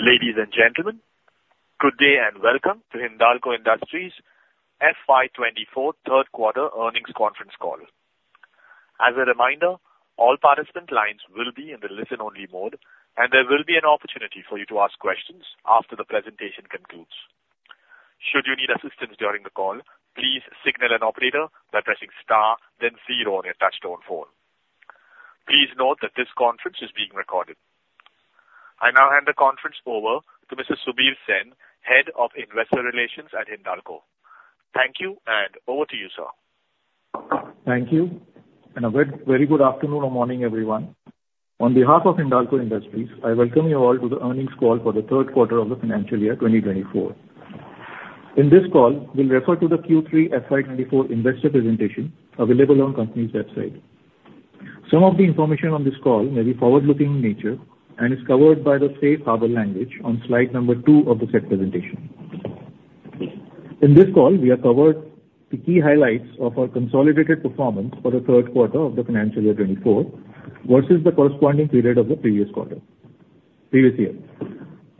Ladies and gentlemen, good day and welcome to Hindalco Industries' FY24 third quarter earnings conference call. As a reminder, all participant lines will be in the listen-only mode, and there will be an opportunity for you to ask questions after the presentation concludes. Should you need assistance during the call, please signal an operator by pressing star, then zero on your touch-tone phone. Please note that this conference is being recorded. I now hand the conference over to Mr. Subir Sen, Head of Investor Relations at Hindalco. Thank you, and over to you, sir. Thank you, and a very good afternoon or morning, everyone. On behalf of Hindalco Industries, I welcome you all to the earnings call for the third quarter of the financial year 2024. In this call, we'll refer to the Q3 FY24 investor presentation available on the company's website. Some of the information on this call may be forward-looking in nature and is covered by the safe harbor language on slide number 2 of the set presentation. In this call, we have covered the key highlights of our consolidated performance for the third quarter of the financial year 2024 versus the corresponding period of the previous year.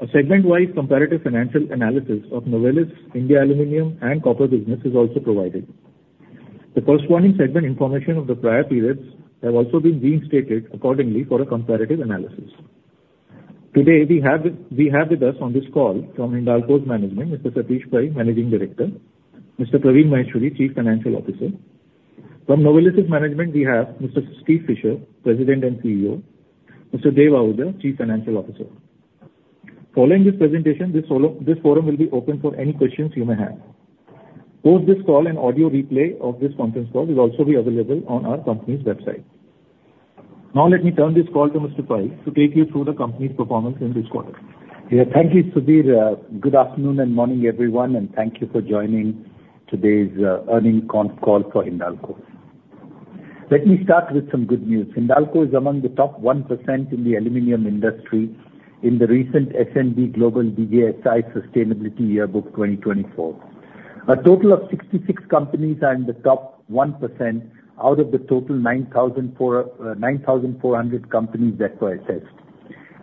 A segment-wise comparative financial analysis ofNovelis, India Aluminium and Copper business is also provided. The corresponding segment information of the prior periods have also been restated accordingly for a comparative analysis. Today, we have with us on this call from Hindalco's management, Mr. Satish Pai, Managing Director. Mr. Praveen Maheshwari, Chief Financial Officer. From Novelis' management, we have Mr. Steve Fisher, President and CEO. Mr. Devinder Ahuja, Chief Financial Officer. Following this presentation, this forum will be open for any questions you may have. Post this call, an audio replay of this conference call will also be available on our company's website. Now let me turn this call to Mr. Pai to take you through the company's performance in this quarter. Yeah, thank you, Subir. Good afternoon and morning, everyone, and thank you for joining today's earnings call for Hindalco. Let me start with some good news. Hindalco is among the top 1% in the aluminium industry in the recent S&P Global DJSI Sustainability Yearbook 2024. A total of 66 companies are in the top 1% out of the total 9,400 companies that were assessed,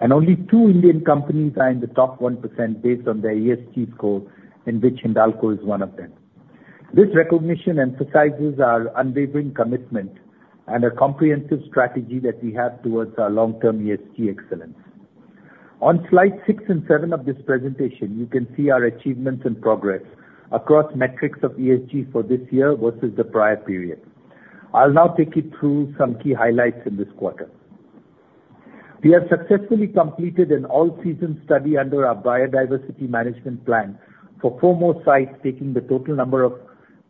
and only two Indian companies are in the top 1% based on their ESG score, in which Hindalco is one of them. This recognition emphasizes our unwavering commitment and a comprehensive strategy that we have towards our long-term ESG excellence. On slides 6 and 7 of this presentation, you can see our achievements and progress across metrics of ESG for this year versus the prior period. I'll now take you through some key highlights in this quarter. We have successfully completed an all-season study under our biodiversity management plan for 4 more sites, taking the total number up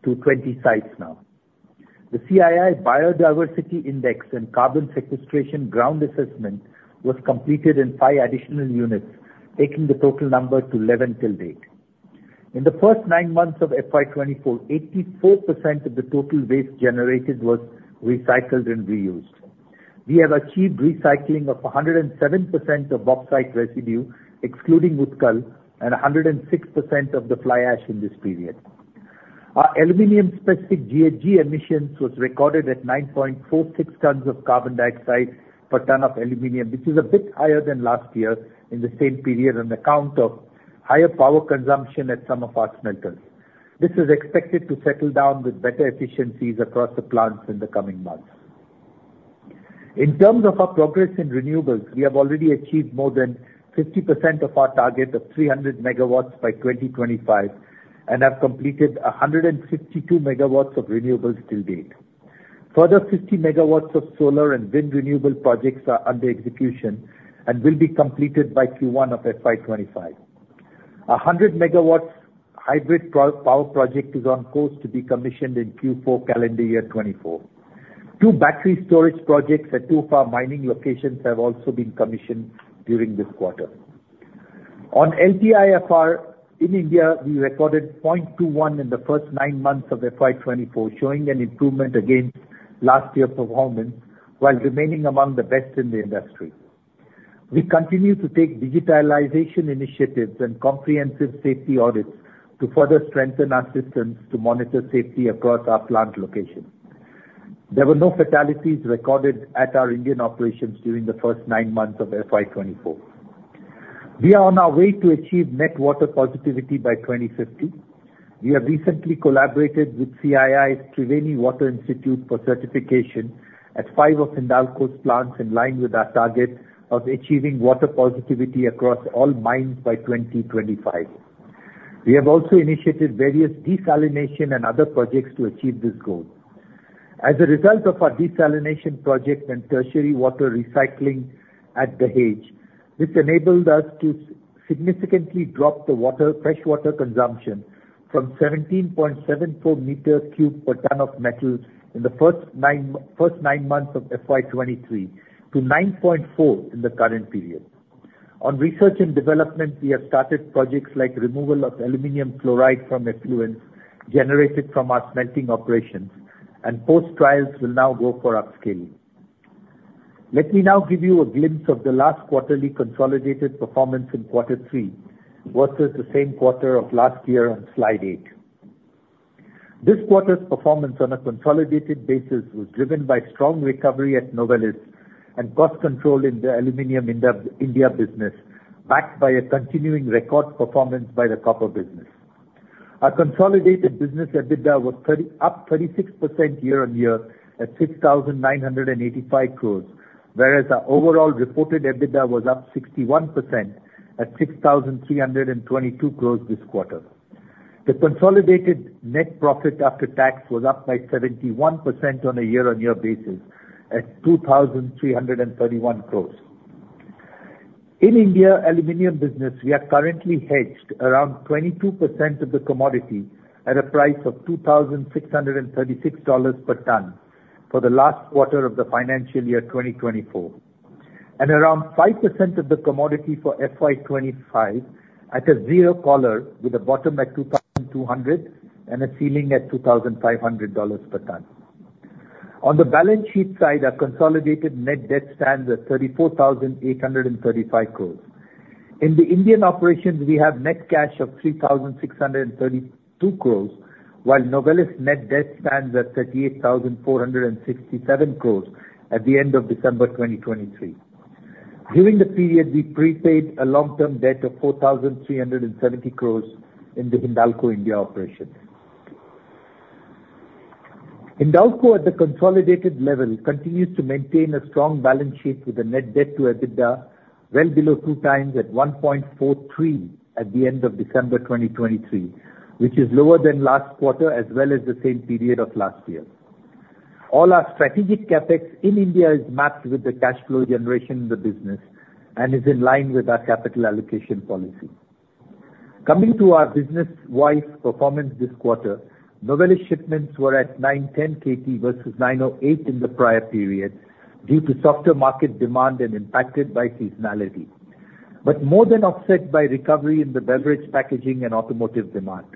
to 20 sites now. The CII Biodiversity Index and Carbon Sequestration Ground Assessment was completed in 5 additional units, taking the total number to 11 till date. In the first 9 months of FY2024, 84% of the total waste generated was recycled and reused. We have achieved recycling of 107% of bauxite residue, excluding red mud, and 106% of the fly ash in this period. Our aluminium-specific GHG emissions were recorded at 9.46 tons of carbon dioxide per ton of aluminium, which is a bit higher than last year in the same period on account of higher power consumption at some of our smelters. This is expected to settle down with better efficiencies across the plants in the coming months. In terms of our progress in renewables, we have already achieved more than 50% of our target of 300 megawatts by 2025 and have completed 152 megawatts of renewables till date. Further 50 megawatts of solar and wind renewable projects are under execution and will be completed by Q1 of FY25. A 100-megawatt hybrid power project is on course to be commissioned in Q4 calendar year 2024. 2 battery storage projects at 2 of our mining locations have also been commissioned during this quarter. On LTIFR in India, we recorded 0.21 in the first nine months of FY24, showing an improvement against last year's performance while remaining among the best in the industry. We continue to take digitalization initiatives and comprehensive safety audits to further strengthen our systems to monitor safety across our plant locations. There were no fatalities recorded at our Indian operations during the first nine months of FY 2024. We are on our way to achieve net water positivity by 2050. We have recently collaborated with CII's Triveni Water Institute for certification at five of Hindalco's plants in line with our target of achieving water positivity across all mines by 2025. We have also initiated various desalination and other projects to achieve this goal. As a result of our desalination project and tertiary water recycling at Dahej, this enabled us to significantly drop the freshwater consumption from 17.74 cubic meters per ton of metal in the first nine months of FY 2023 to 9.4 in the current period. On research and development, we have started projects like removal of aluminum chloride from effluents generated from our smelting operations, and post-trials will now go for upscaling. Let me now give you a glimpse of the last quarterly consolidated performance in quarter three versus the same quarter of last year on slide eight. This quarter's performance on a consolidated basis was driven by strong recovery at Novelis and cost control in the aluminium India business, backed by a continuing record performance by the copper business. Our consolidated business EBITDA was up 36% year-on-year at 6,985 crore, whereas our overall reported EBITDA was up 61% at 6,322 crore this quarter. The consolidated net profit after tax was up by 71% on a year-on-year basis at 2,331 crore. In India Aluminium business, we are currently hedged around 22% of the commodity at a price of $2,636 per ton for the last quarter of the financial year 2024, and around 5% of the commodity for FY25 at a zero collar with a bottom at $2,200 and a ceiling at $2,500 per ton. On the balance sheet side, our consolidated net debt stands at 34,835 crores. In the Indian operations, we have net cash of 3,632 crores, while Novelis' net debt stands at 38,467 crores at the end of December 2023. During the period, we prepaid a long-term debt of 4,370 crores in the Hindalco India operations. Hindalco, at the consolidated level, continues to maintain a strong balance sheet with a net debt to EBITDA well below 2x at 1.43 at the end of December 2023, which is lower than last quarter as well as the same period of last year. All our strategic CapEx in India is mapped with the cash flow generation in the business and is in line with our capital allocation policy. Coming to our business-wise performance this quarter, Novelis shipments were at 910 KT versus 908 in the prior period due to softer market demand and impacted by seasonality, but more than offset by recovery in the beverage packaging and automotive demand.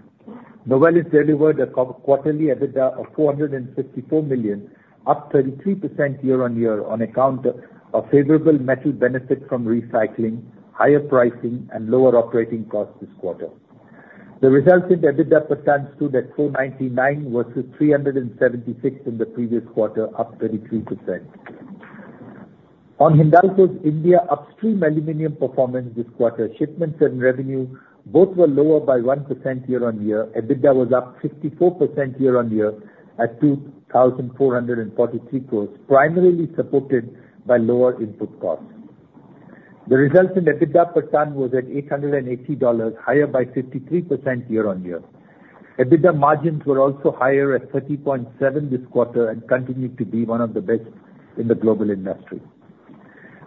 Novelis delivered a quarterly EBITDA of $454 million, up 33% year-on-year on account of favorable metal benefit from recycling, higher pricing, and lower operating costs this quarter. The resultant EBITDA per ton stood at $499 versus $376 in the previous quarter, up 33%. On Hindalco's India upstream aluminium performance this quarter, shipments and revenue both were lower by 1% year-on-year. EBITDA was up 54% year-on-year at 2,443 crores, primarily supported by lower input costs. The resultant EBITDA per ton was at $880, higher by 53% year-on-year. EBITDA margins were also higher at 30.7% this quarter and continue to be one of the best in the global industry.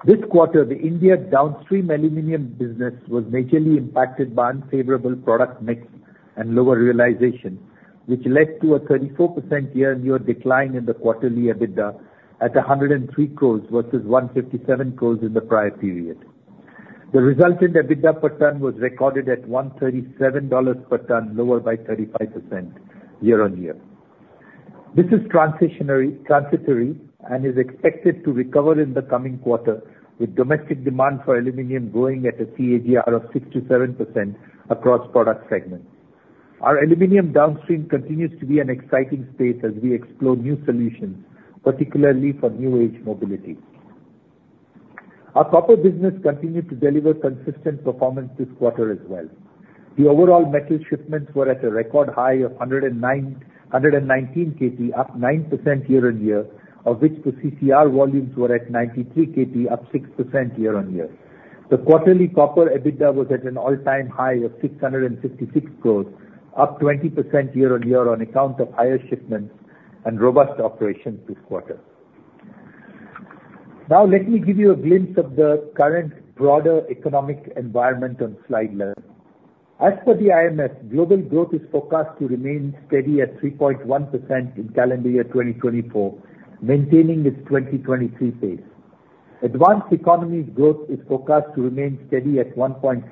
This quarter, the India downstream aluminium business was majorly impacted by unfavorable product mix and lower realization, which led to a 34% year-on-year decline in the quarterly EBITDA at 103 crores versus 157 crores in the prior period. The resultant EBITDA per ton was recorded at $137 per ton, lower by 35% year-on-year. This is transitory and is expected to recover in the coming quarter, with domestic demand for aluminum growing at a CAGR of 6%-7% across product segments. Our Aluminium Downstream continues to be an exciting space as we explore new solutions, particularly for new-age mobility. Our copper business continued to deliver consistent performance this quarter as well. The overall metal shipments were at a record high of 119 KT, up 9% year-over-year, of which the CCR volumes were at 93 KT, up 6% year-over-year. The quarterly copper EBITDA was at an all-time high of 656 crore, up 20% year-over-year on account of higher shipments and robust operations this quarter. Now let me give you a glimpse of the current broader economic environment on slide 11. As per the IMF, global growth is forecast to remain steady at 3.1% in calendar year 2024, maintaining its 2023 pace. Advanced economies' growth is forecast to remain steady at 1.5%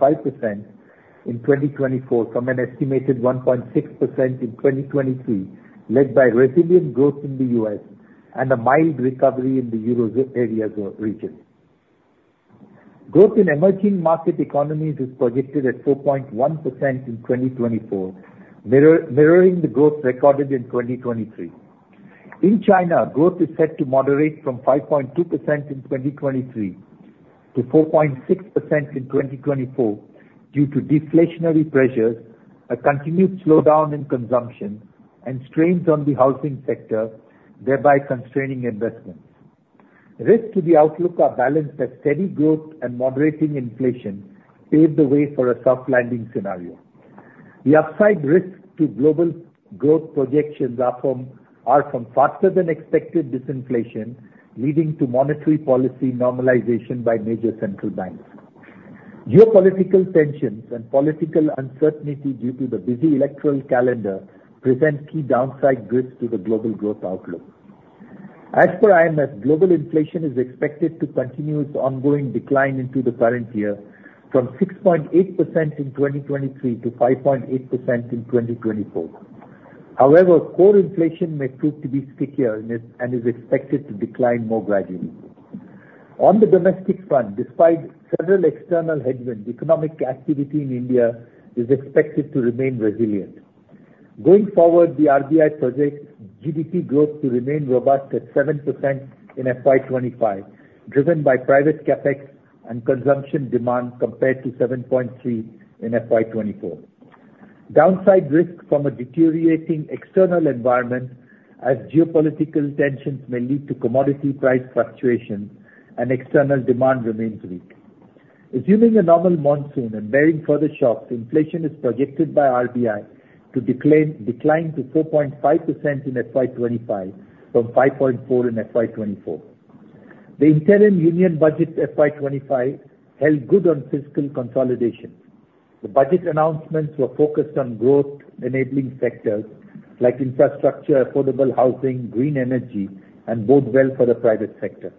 in 2024 from an estimated 1.6% in 2023, led by resilient growth in the US and a mild recovery in the euro area region. Growth in emerging market economies is projected at 4.1% in 2024, mirroring the growth recorded in 2023. In China, growth is set to moderate from 5.2% in 2023 to 4.6% in 2024 due to deflationary pressures, a continued slowdown in consumption, and strains on the housing sector, thereby constraining investments. Risk to the outlook are balanced as steady growth and moderating inflation pave the way for a soft landing scenario. The upside risks to global growth projections are from faster-than-expected disinflation, leading to monetary policy normalization by major central banks. Geopolitical tensions and political uncertainty due to the busy electoral calendar present key downside risks to the global growth outlook. As per IMF, global inflation is expected to continue its ongoing decline into the current year from 6.8% in 2023 to 5.8% in 2024. However, core inflation may prove to be stickier and is expected to decline more gradually. On the domestic front, despite several external headwinds, economic activity in India is expected to remain resilient. Going forward, the RBI projects GDP growth to remain robust at 7% in FY25, driven by private CapEx and consumption demand compared to 7.3% in FY24. Downside risks from a deteriorating external environment, as geopolitical tensions may lead to commodity price fluctuations and external demand remains weak. Assuming a normal monsoon and barring further shocks, inflation is projected by RBI to decline to 4.5% in FY25 from 5.4% in FY24. The Interim Union Budget FY25 held good on fiscal consolidation. The budget announcements were focused on growth-enabling sectors like infrastructure, affordable housing, green energy, and bode well for the private sector.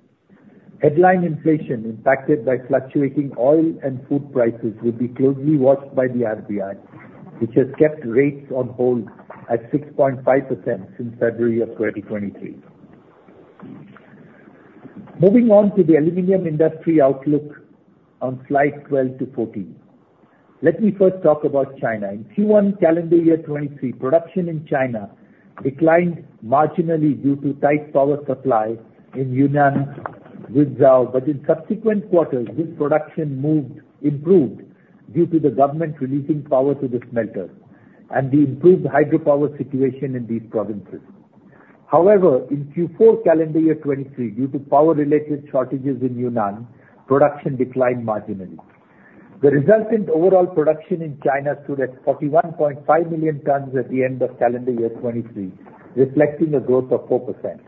Headline inflation, impacted by fluctuating oil and food prices, will be closely watched by the RBI, which has kept rates on hold at 6.5% since February of 2023. Moving on to the aluminum industry outlook on slides 12-14. Let me first talk about China. In Q1 calendar year 2023, production in China declined marginally due to tight power supply in Yunnan, Guizhou, but in subsequent quarters, this production improved due to the government releasing power to the smelters and the improved hydropower situation in these provinces. However, in Q4 calendar year 2023, due to power-related shortages in Yunnan, production declined marginally. The resultant overall production in China stood at 41.5 million tons at the end of calendar year 2023, reflecting a growth of 4%.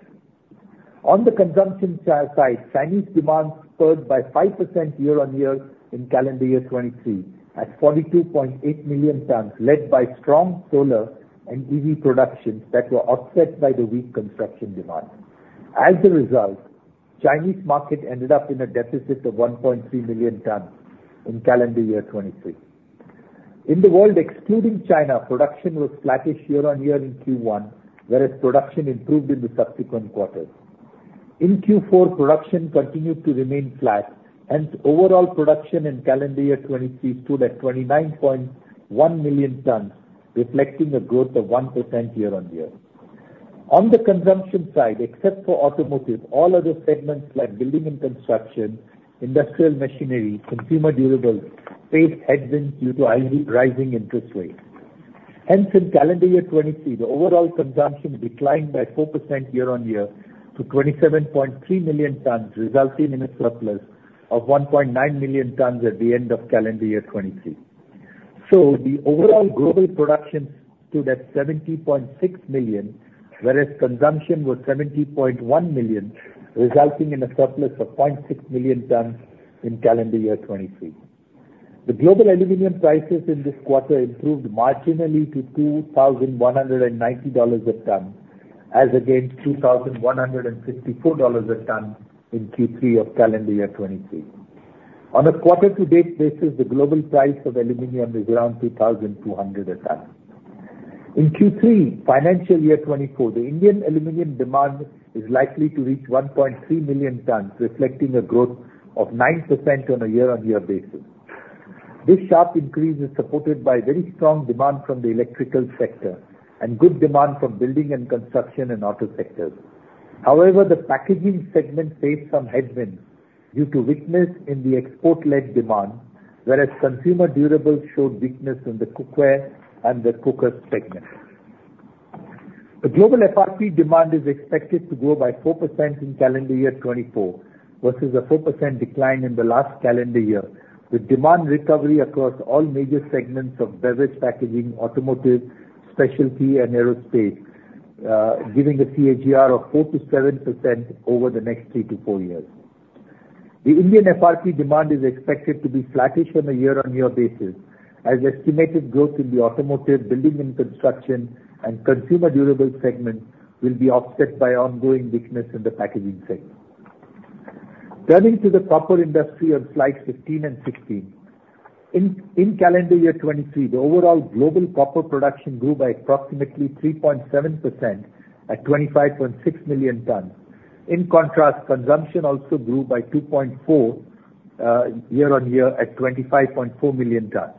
On the consumption side, Chinese demand spurred by 5% year-on-year in calendar year 2023 at 42.8 million tons, led by strong solar and EV productions that were offset by the weak construction demand. As a result, Chinese market ended up in a deficit of 1.3 million tons in calendar year 2023. In the world excluding China, production was flattish year-on-year in Q1, whereas production improved in the subsequent quarters. In Q4, production continued to remain flat, hence overall production in calendar year 2023 stood at 29.1 million tons, reflecting a growth of 1% year-on-year. On the consumption side, except for automotive, all other segments like building and construction, industrial machinery, and consumer durables faced headwinds due to rising interest rates. Hence, in calendar year 2023, the overall consumption declined by 4% year-on-year to 27.3 million tons, resulting in a surplus of 1.9 million tons at the end of calendar year 2023. So the overall global production stood at 70.6 million, whereas consumption was 70.1 million, resulting in a surplus of 0.6 million tons in calendar year 2023. The global aluminum prices in this quarter improved marginally to $2,190 a ton as against $2,154 a ton in Q3 of calendar year 2023. On a quarter-to-date basis, the global price of aluminum is around $2,200 a ton. In Q3 financial year 2024, the Indian aluminum demand is likely to reach 1.3 million tons, reflecting a growth of 9% on a year-on-year basis. This sharp increase is supported by very strong demand from the electrical sector and good demand from building and construction and auto sectors. However, the packaging segment faced some headwinds due to weakness in the export-led demand, whereas consumer durables showed weakness in the cookware and the cooker segments. The global FRP demand is expected to grow by 4% in calendar year 2024 versus a 4% decline in the last calendar year, with demand recovery across all major segments of beverage packaging, automotive, specialty, and aerospace, giving a CAGR of 4%-7% over the next three to four years. The Indian FRP demand is expected to be flattish on a year-on-year basis, as estimated growth in the automotive, building and construction, and consumer durables segments will be offset by ongoing weakness in the packaging segment. Turning to the copper industry on slides 15 and 16. In calendar year 2023, the overall global copper production grew by approximately 3.7% at 25.6 million tons. In contrast, consumption also grew by 2.4% year-over-year at 25.4 million tons,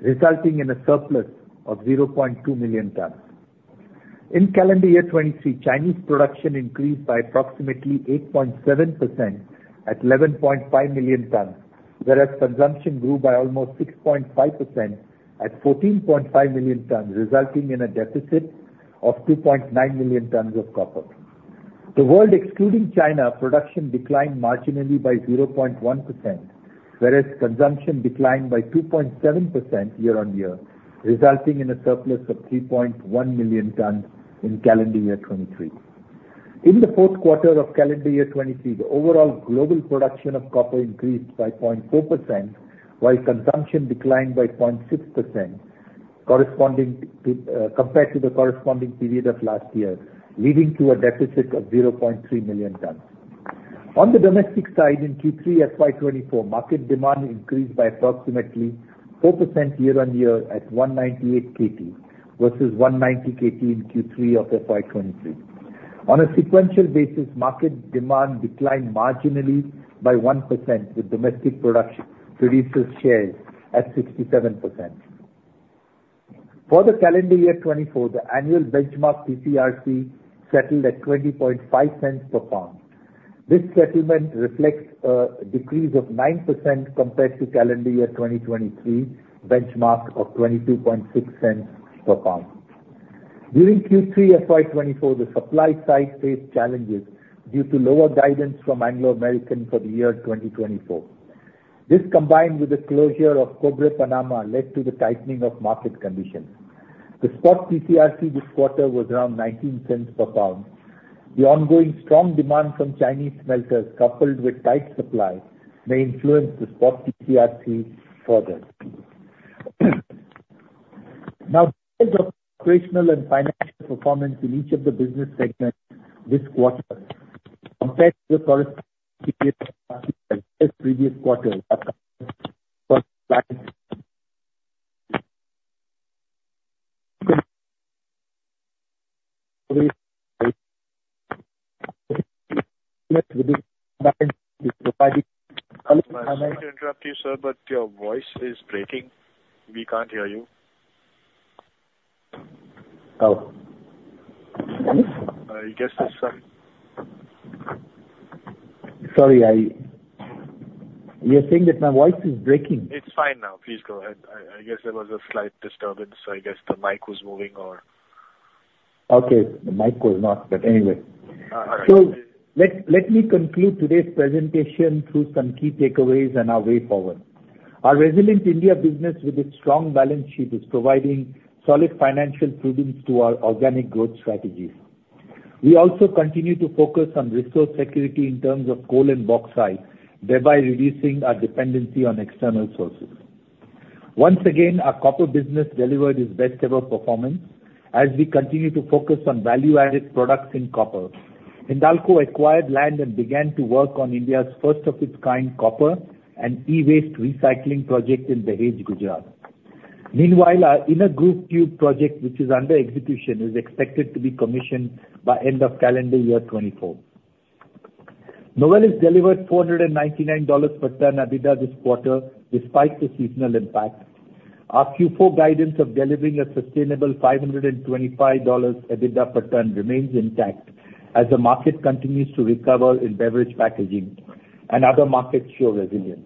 resulting in a surplus of 0.2 million tons. In calendar year 2023, Chinese production increased by approximately 8.7% at 11.5 million tons, whereas consumption grew by almost 6.5% at 14.5 million tons, resulting in a deficit of 2.9 million tons of copper. The world excluding China production declined marginally by 0.1%, whereas consumption declined by 2.7% year-over-year, resulting in a surplus of 3.1 million tons in calendar year 2023. In the fourth quarter of calendar year 2023, the overall global production of copper increased by 0.4% while consumption declined by 0.6% compared to the corresponding period of last year, leading to a deficit of 0.3 million tons. On the domestic side, in Q3 FY24, market demand increased by approximately 4% year-over-year at 198 KT versus 190 KT in Q3 of FY23. On a sequential basis, market demand declined marginally by 1% with domestic production producers' share at 67%. For the calendar year 2024, the annual benchmark TC/RC settled at $0.205 per pound. This settlement reflects a decrease of 9% compared to calendar year 2023's benchmark of $0.226 per pound. During Q3 FY24, the supply side faced challenges due to lower guidance from Anglo American for the year 2024. This combined with the closure of Cobre Panamá led to the tightening of market conditions. The spot TC/RC this quarter was around $0.19 per pound. The ongoing strong demand from Chinese smelters, coupled with tight supply, may influence the spot TC/RC further. Now, because of operational and financial performance in each of the business segments this quarter, compared to the corresponding period of last year as well as previous quarters within the combined is providing color. Sorry to interrupt you, sir, but your voice is breaking. We can't hear you. Oh. Sorry. You're saying that my voice is breaking? It's fine now. Please go ahead. I guess there was a slight disturbance, so I guess the mic was moving or. Okay. The mic was not, but anyway. All right. So let me conclude today's presentation through some key takeaways and our way forward. Our resilient India business, with its strong balance sheet, is providing solid financial prudence to our organic growth strategies. We also continue to focus on resource security in terms of coal and bauxite, thereby reducing our dependency on external sources. Once again, our copper business delivered its best-ever performance as we continue to focus on value-added products in copper. Hindalco acquired land and began to work on India's first-of-its-kind copper and e-waste recycling project in Dahej, Gujarat. Meanwhile, our Inner Grooved Tubes project, which is under execution, is expected to be commissioned by end of calendar year 2024. Novelis delivered $499 per ton EBITDA this quarter despite the seasonal impact. Our Q4 guidance of delivering a sustainable $525 EBITDA per ton remains intact as the market continues to recover in beverage packaging and other markets show resilience.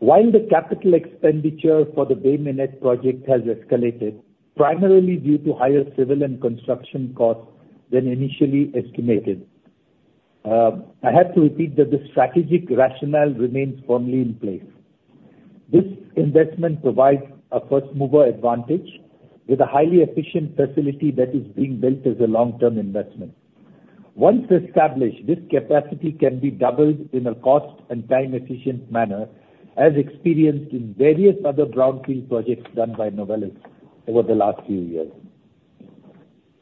While the capital expenditure for the Bay Minette project has escalated, primarily due to higher civil and construction costs than initially estimated, I have to repeat that this strategic rationale remains firmly in place. This investment provides a first-mover advantage with a highly efficient facility that is being built as a long-term investment. Once established, this capacity can be doubled in a cost-and-time-efficient manner, as experienced in various other brownfield projects done by Novelis over the last few years.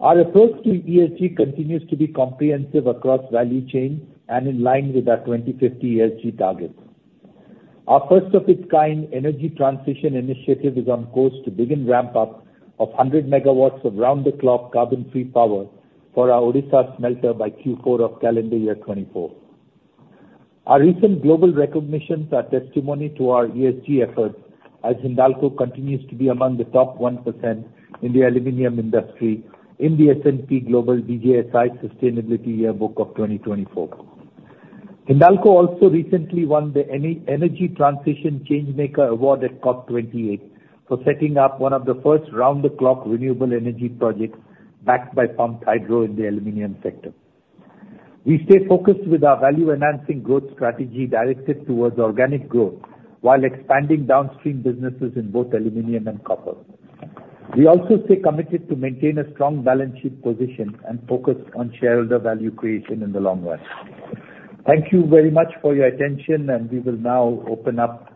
Our approach to ESG continues to be comprehensive across value chains and in line with our 2050 ESG targets. Our first-of-its-kind energy transition initiative is on course to begin ramp-up of 100 megawatts of round-the-clock carbon-free power for our Odisha smelter by Q4 of calendar year 2024. Our recent global recognitions are testimony to our ESG efforts as Hindalco continues to be among the top 1% in the aluminum industry in the S&P Global DJSI Sustainability Yearbook of 2024. Hindalco also recently won the Energy Transition Changemaker Award at COP28 for setting up one of the first round-the-clock renewable energy projects backed by pumped hydro in the aluminum sector. We stay focused with our value-enhancing growth strategy directed towards organic growth while expanding downstream businesses in both aluminum and copper. We also stay committed to maintain a strong balance sheet position and focus on shareholder value creation in the long run. Thank you very much for your attention, and we will now open up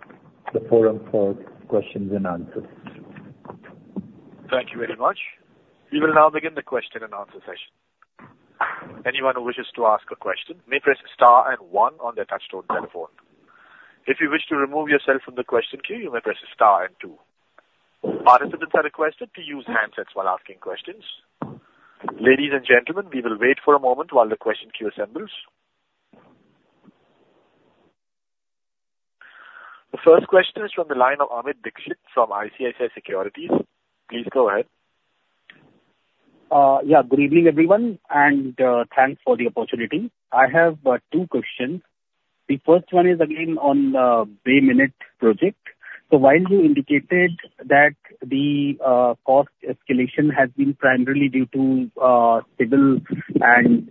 the forum for questions and answers. Thank you very much. We will now begin the question and answer session. Anyone who wishes to ask a question may press star and one on their touch-tone telephone. If you wish to remove yourself from the question queue, you may press star and two. Participants are requested to use handsets while asking questions. Ladies and gentlemen, we will wait for a moment while the question queue assembles. The first question is from the line of Amit Dixit from ICICI Securities. Please go ahead. Yeah. Good evening, everyone, and thanks for the opportunity. I have two questions. The first one is, again, on the Bay Minette project. So while you indicated that the cost escalation has been primarily due to civil and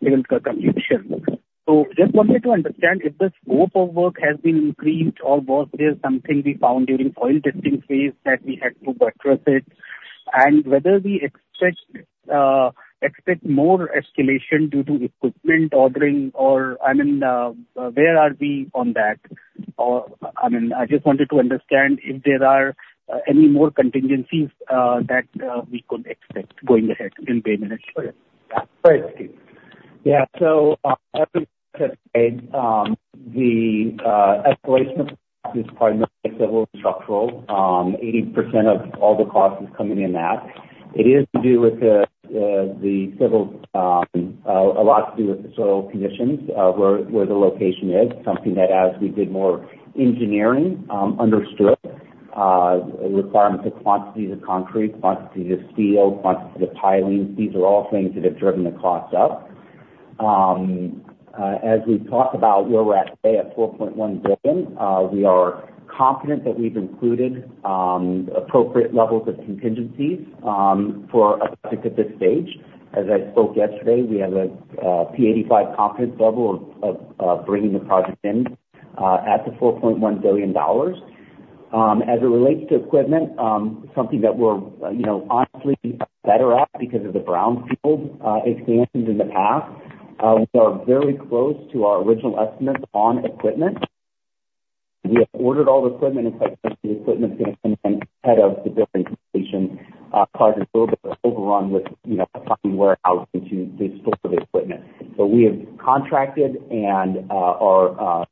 civil construction, so just wanted to understand if the scope of work has been increased or was there something we found during soil testing phase that we had to buttress it, and whether we expect more escalation due to equipment ordering or I mean, where are we on that? I mean, I just wanted to understand if there are any more contingencies that we could expect going ahead in Bay Minette. Go ahead. Yeah. So as we said, the escalation of cost is primarily civil and structural. 80% of all the cost is coming in that. It is to do with the civil a lot to do with the soil conditions where the location is, something that, as we did more engineering, understood requirements of quantities of concrete, quantities of steel, quantities of pilings. These are all things that have driven the cost up. As we talk about where we're at today at $4.1 billion, we are confident that we've included appropriate levels of contingencies for a project at this stage. As I spoke yesterday, we have a P85 confidence level of bringing the project in at the $4.1 billion. As it relates to equipment, something that we're honestly better at because of the brownfield expansions in the past, we are very close to our original estimates on equipment. We have ordered all the equipment, and quite frankly, the equipment's going to come in ahead of the building completion, causing a little bit of overrun with finding warehouse to store the equipment. So we have contracted and are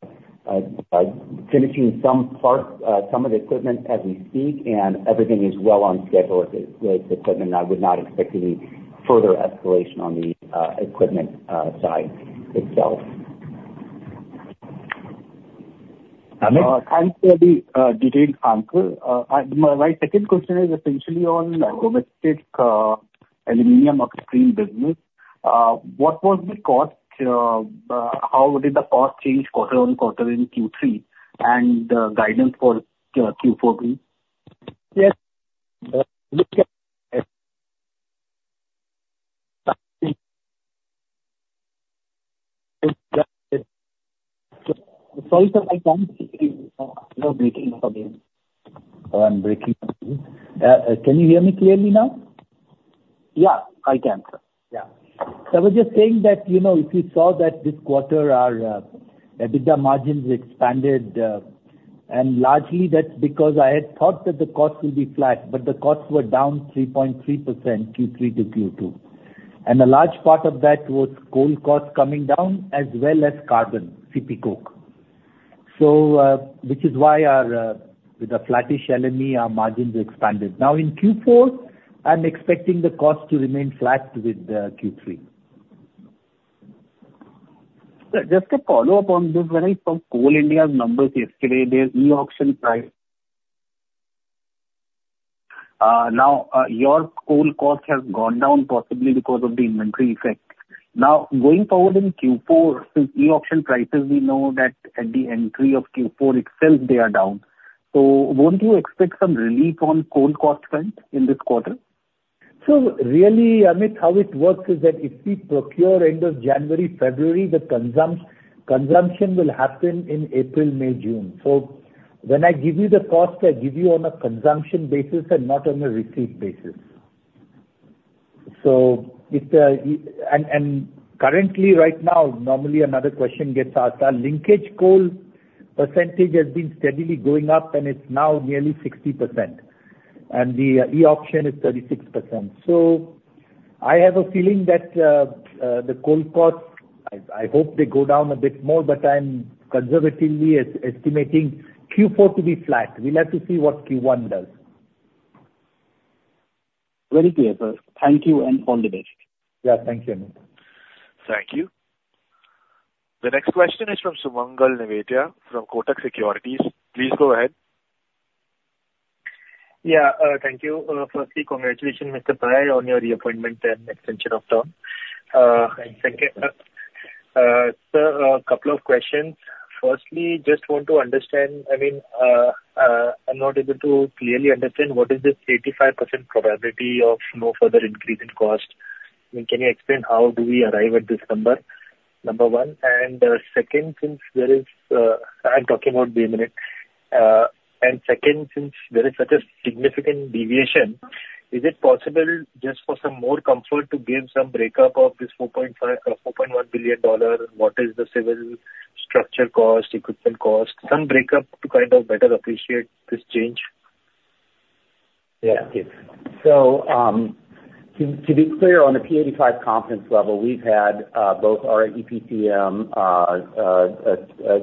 finishing some of the equipment as we speak, and everything is well on schedule as it relates to equipment. And I would not expect any further escalation on the equipment side itself. Amit? I'm sorry to interrupt, Uncle. My second question is essentially on domestic aluminium upstream business. What was the cost? How did the cost change quarter on quarter in Q3 and the guidance for Q4? Yes. Sorry, sir. I can't hear you. You're breaking up again. Oh, I'm breaking up. Can you hear me clearly now? Yeah. I can, sir. Yeah. So I was just saying that if you saw that this quarter, our EBITDA margins expanded, and largely, that's because I had thought that the costs will be flat, but the costs were down 3.3% Q3 to Q2. And a large part of that was coal costs coming down as well as carbon, CPC, which is why, with a flattish LME, our margins expanded. Now, in Q4, I'm expecting the costs to remain flat with Q3. Sir, just a follow-up on this. When I saw Coal India's numbers yesterday, their e-auction price now, your coal cost has gone down possibly because of the inventory effect. Now, going forward in Q4, since e-auction prices, we know that at the entry of Q4 itself, they are down. So won't you expect some relief on coal costs in this quarter? So really, Amit, how it works is that if we procure end of January, February, the consumption will happen in April, May, June. So when I give you the cost, I give you on a consumption basis and not on a receipt basis. And currently, right now, normally, another question gets asked. Our linkage coal percentage has been steadily going up, and it's now nearly 60%. And the e-auction is 36%. So I have a feeling that the coal costs I hope they go down a bit more, but I'm conservatively estimating Q4 to be flat. We'll have to see what Q1 does. Very clear, sir. Thank you and all the best. Yeah. Thank you, Amit. Thank you. The next question is from Sumangal Nevatia from Kotak Securities. Please go ahead. Yeah. Thank you. Firstly, congratulations, Mr. Pai, on your reappointment and extension of term. And second, sir, a couple of questions. Firstly, just want to understand I mean, I'm not able to clearly understand what is this 85% probability of no further increase in cost. I mean, can you explain how do we arrive at this number, number one? And second, since there is I'm talking about Bay Minette. And second, since there is such a significant deviation, is it possible, just for some more comfort, to give some breakdown of this $4.1 billion? What is the civil structure cost, equipment cost, some breakdown to kind of better appreciate this change? Yeah. So to be clear, on the P85 confidence level, we've had both our EPCM,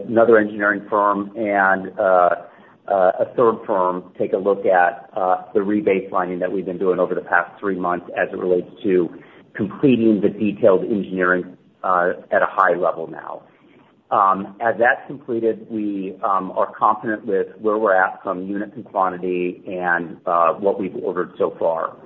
another engineering firm, and a third firm take a look at the rebaselining that we've been doing over the past three months as it relates to completing the detailed engineering at a high level now. As that's completed, we are confident with where we're at from unit to quantity and what we've ordered so far.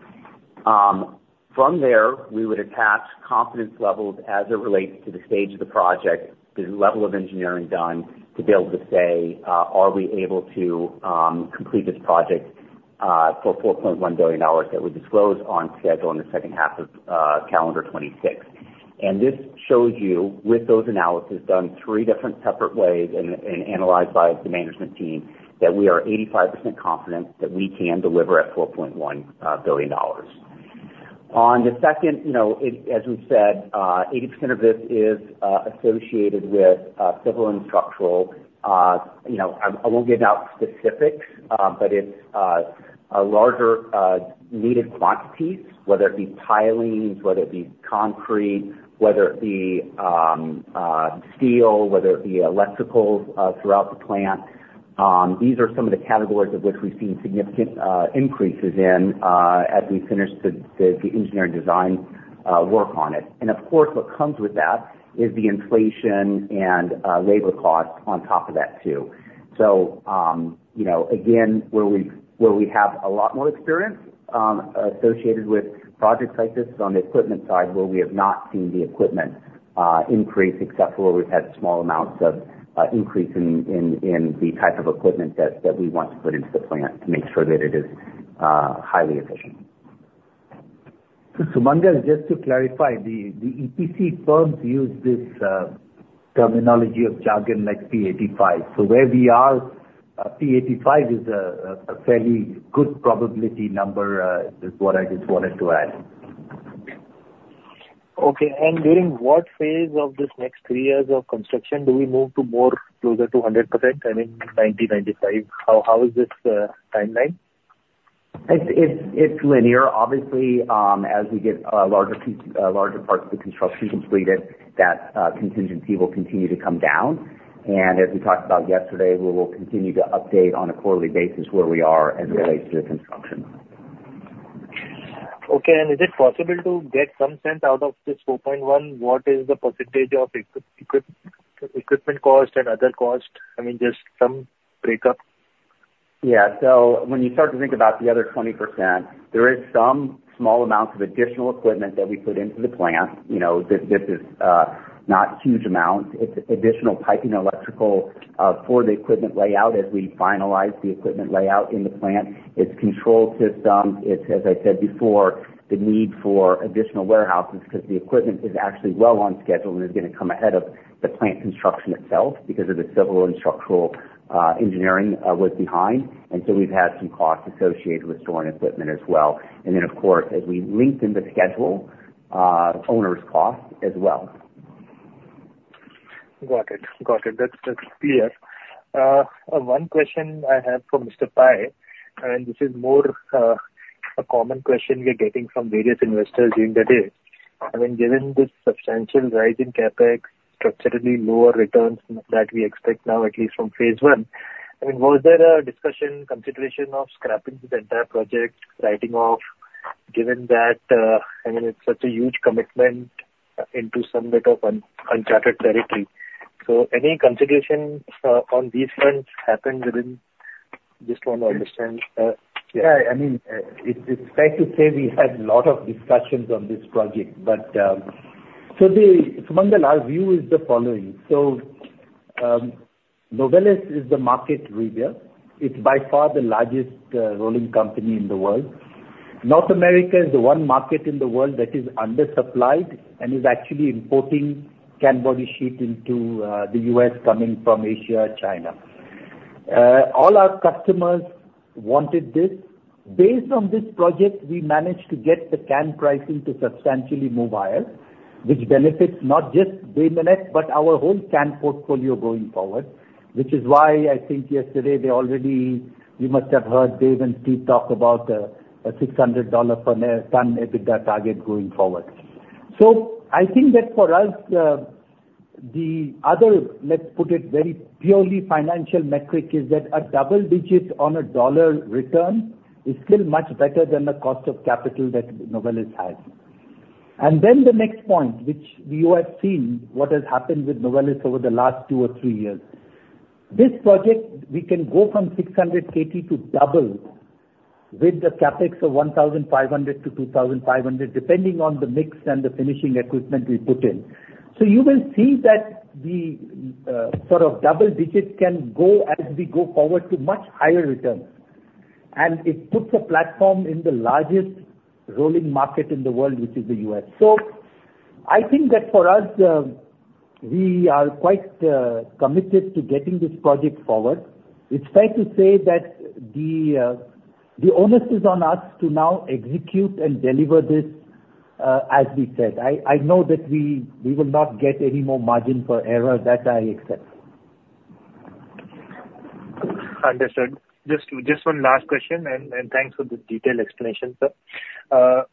From there, we would attach confidence levels as it relates to the stage of the project, the level of engineering done, to be able to say, "Are we able to complete this project for $4.1 billion that we disclose on schedule in the second half of calendar 2026?" And this shows you, with those analyses done three different separate ways and analyzed by the management team, that we are 85% confident that we can deliver at $4.1 billion. On the second, as we said, 80% of this is associated with civil and structural. I won't get out specifics, but it's larger needed quantities, whether it be pilings, whether it be concrete, whether it be steel, whether it be electricals throughout the plant. These are some of the categories of which we've seen significant increases in as we finish the engineering design work on it. Of course, what comes with that is the inflation and labor costs on top of that too. So again, where we have a lot more experience associated with projects like this on the equipment side, where we have not seen the equipment increase except for where we've had small amounts of increase in the type of equipment that we want to put into the plant to make sure that it is highly efficient. So Mangal, just to clarify, the EPC firms use this terminology of jargon like P85. So where we are, P85 is a fairly good probability number, is what I just wanted to add. Okay. And during what phase of this next 3 years of construction do we move closer to 100%? I mean, 95%, how is this timeline? It's linear. Obviously, as we get larger parts of the construction completed, that contingency will continue to come down. And as we talked about yesterday, we will continue to update on a quarterly basis where we are as it relates to the construction. Okay. And is it possible to get some sense out of this 4.1? What is the percentage of equipment cost and other cost? I mean, just some breakup. Yeah. So when you start to think about the other 20%, there is some small amounts of additional equipment that we put into the plant. This is not huge amounts. It's additional piping and electrical for the equipment layout as we finalize the equipment layout in the plant. It's control systems. It's, as I said before, the need for additional warehouses because the equipment is actually well on schedule and is going to come ahead of the plant construction itself because the civil and structural engineering was behind. And so we've had some costs associated with storing equipment as well. And then, of course, as we linked in the schedule, owner's cost as well. Got it. Got it. That's clear. One question I have for Mr. Pai, and this is more a common question we're getting from various investors during the day. I mean, given this substantial rise in CapEx, structurally lower returns that we expect now, at least from phase one, I mean, was there a discussion, consideration of scrapping this entire project, writing off, given that, I mean, it's such a huge commitment into some bit of uncharted territory? So, any consideration on these fronts happened? I just want to understand. Yeah. I mean, it's fair to say we had a lot of discussions on this project. So, Sumangal, our view is the following. So, Novelis is the market leader. It's by far the largest rolling company in the world. North America is the one market in the world that is undersupplied and is actually importing can-body sheet into the U.S. coming from Asia, China. All our customers wanted this. Based on this project, we managed to get the can pricing to substantially move higher, which benefits not just Bay Minette but our whole can portfolio going forward, which is why I think yesterday, you must have heard Dave and Steve talk about a $600/ton EBITDA target going forward. So I think that for us, the other, let's put it very purely financial metric, is that a double-digit on a dollar return is still much better than the cost of capital that Novelis has. And then the next point, which you have seen what has happened with Novelis over the last two or three years, this project, we can go from 680 to double with the CapEx of $1,500-$2,500 depending on the mix and the finishing equipment we put in. So you will see that the sort of double-digit can go as we go forward to much higher returns. And it puts a platform in the largest rolling market in the world, which is the U.S. So I think that for us, we are quite committed to getting this project forward. It's fair to say that the onus is on us to now execute and deliver this as we said. I know that we will not get any more margin for error that I accept. Understood. Just one last question, and thanks for the detailed explanation, sir.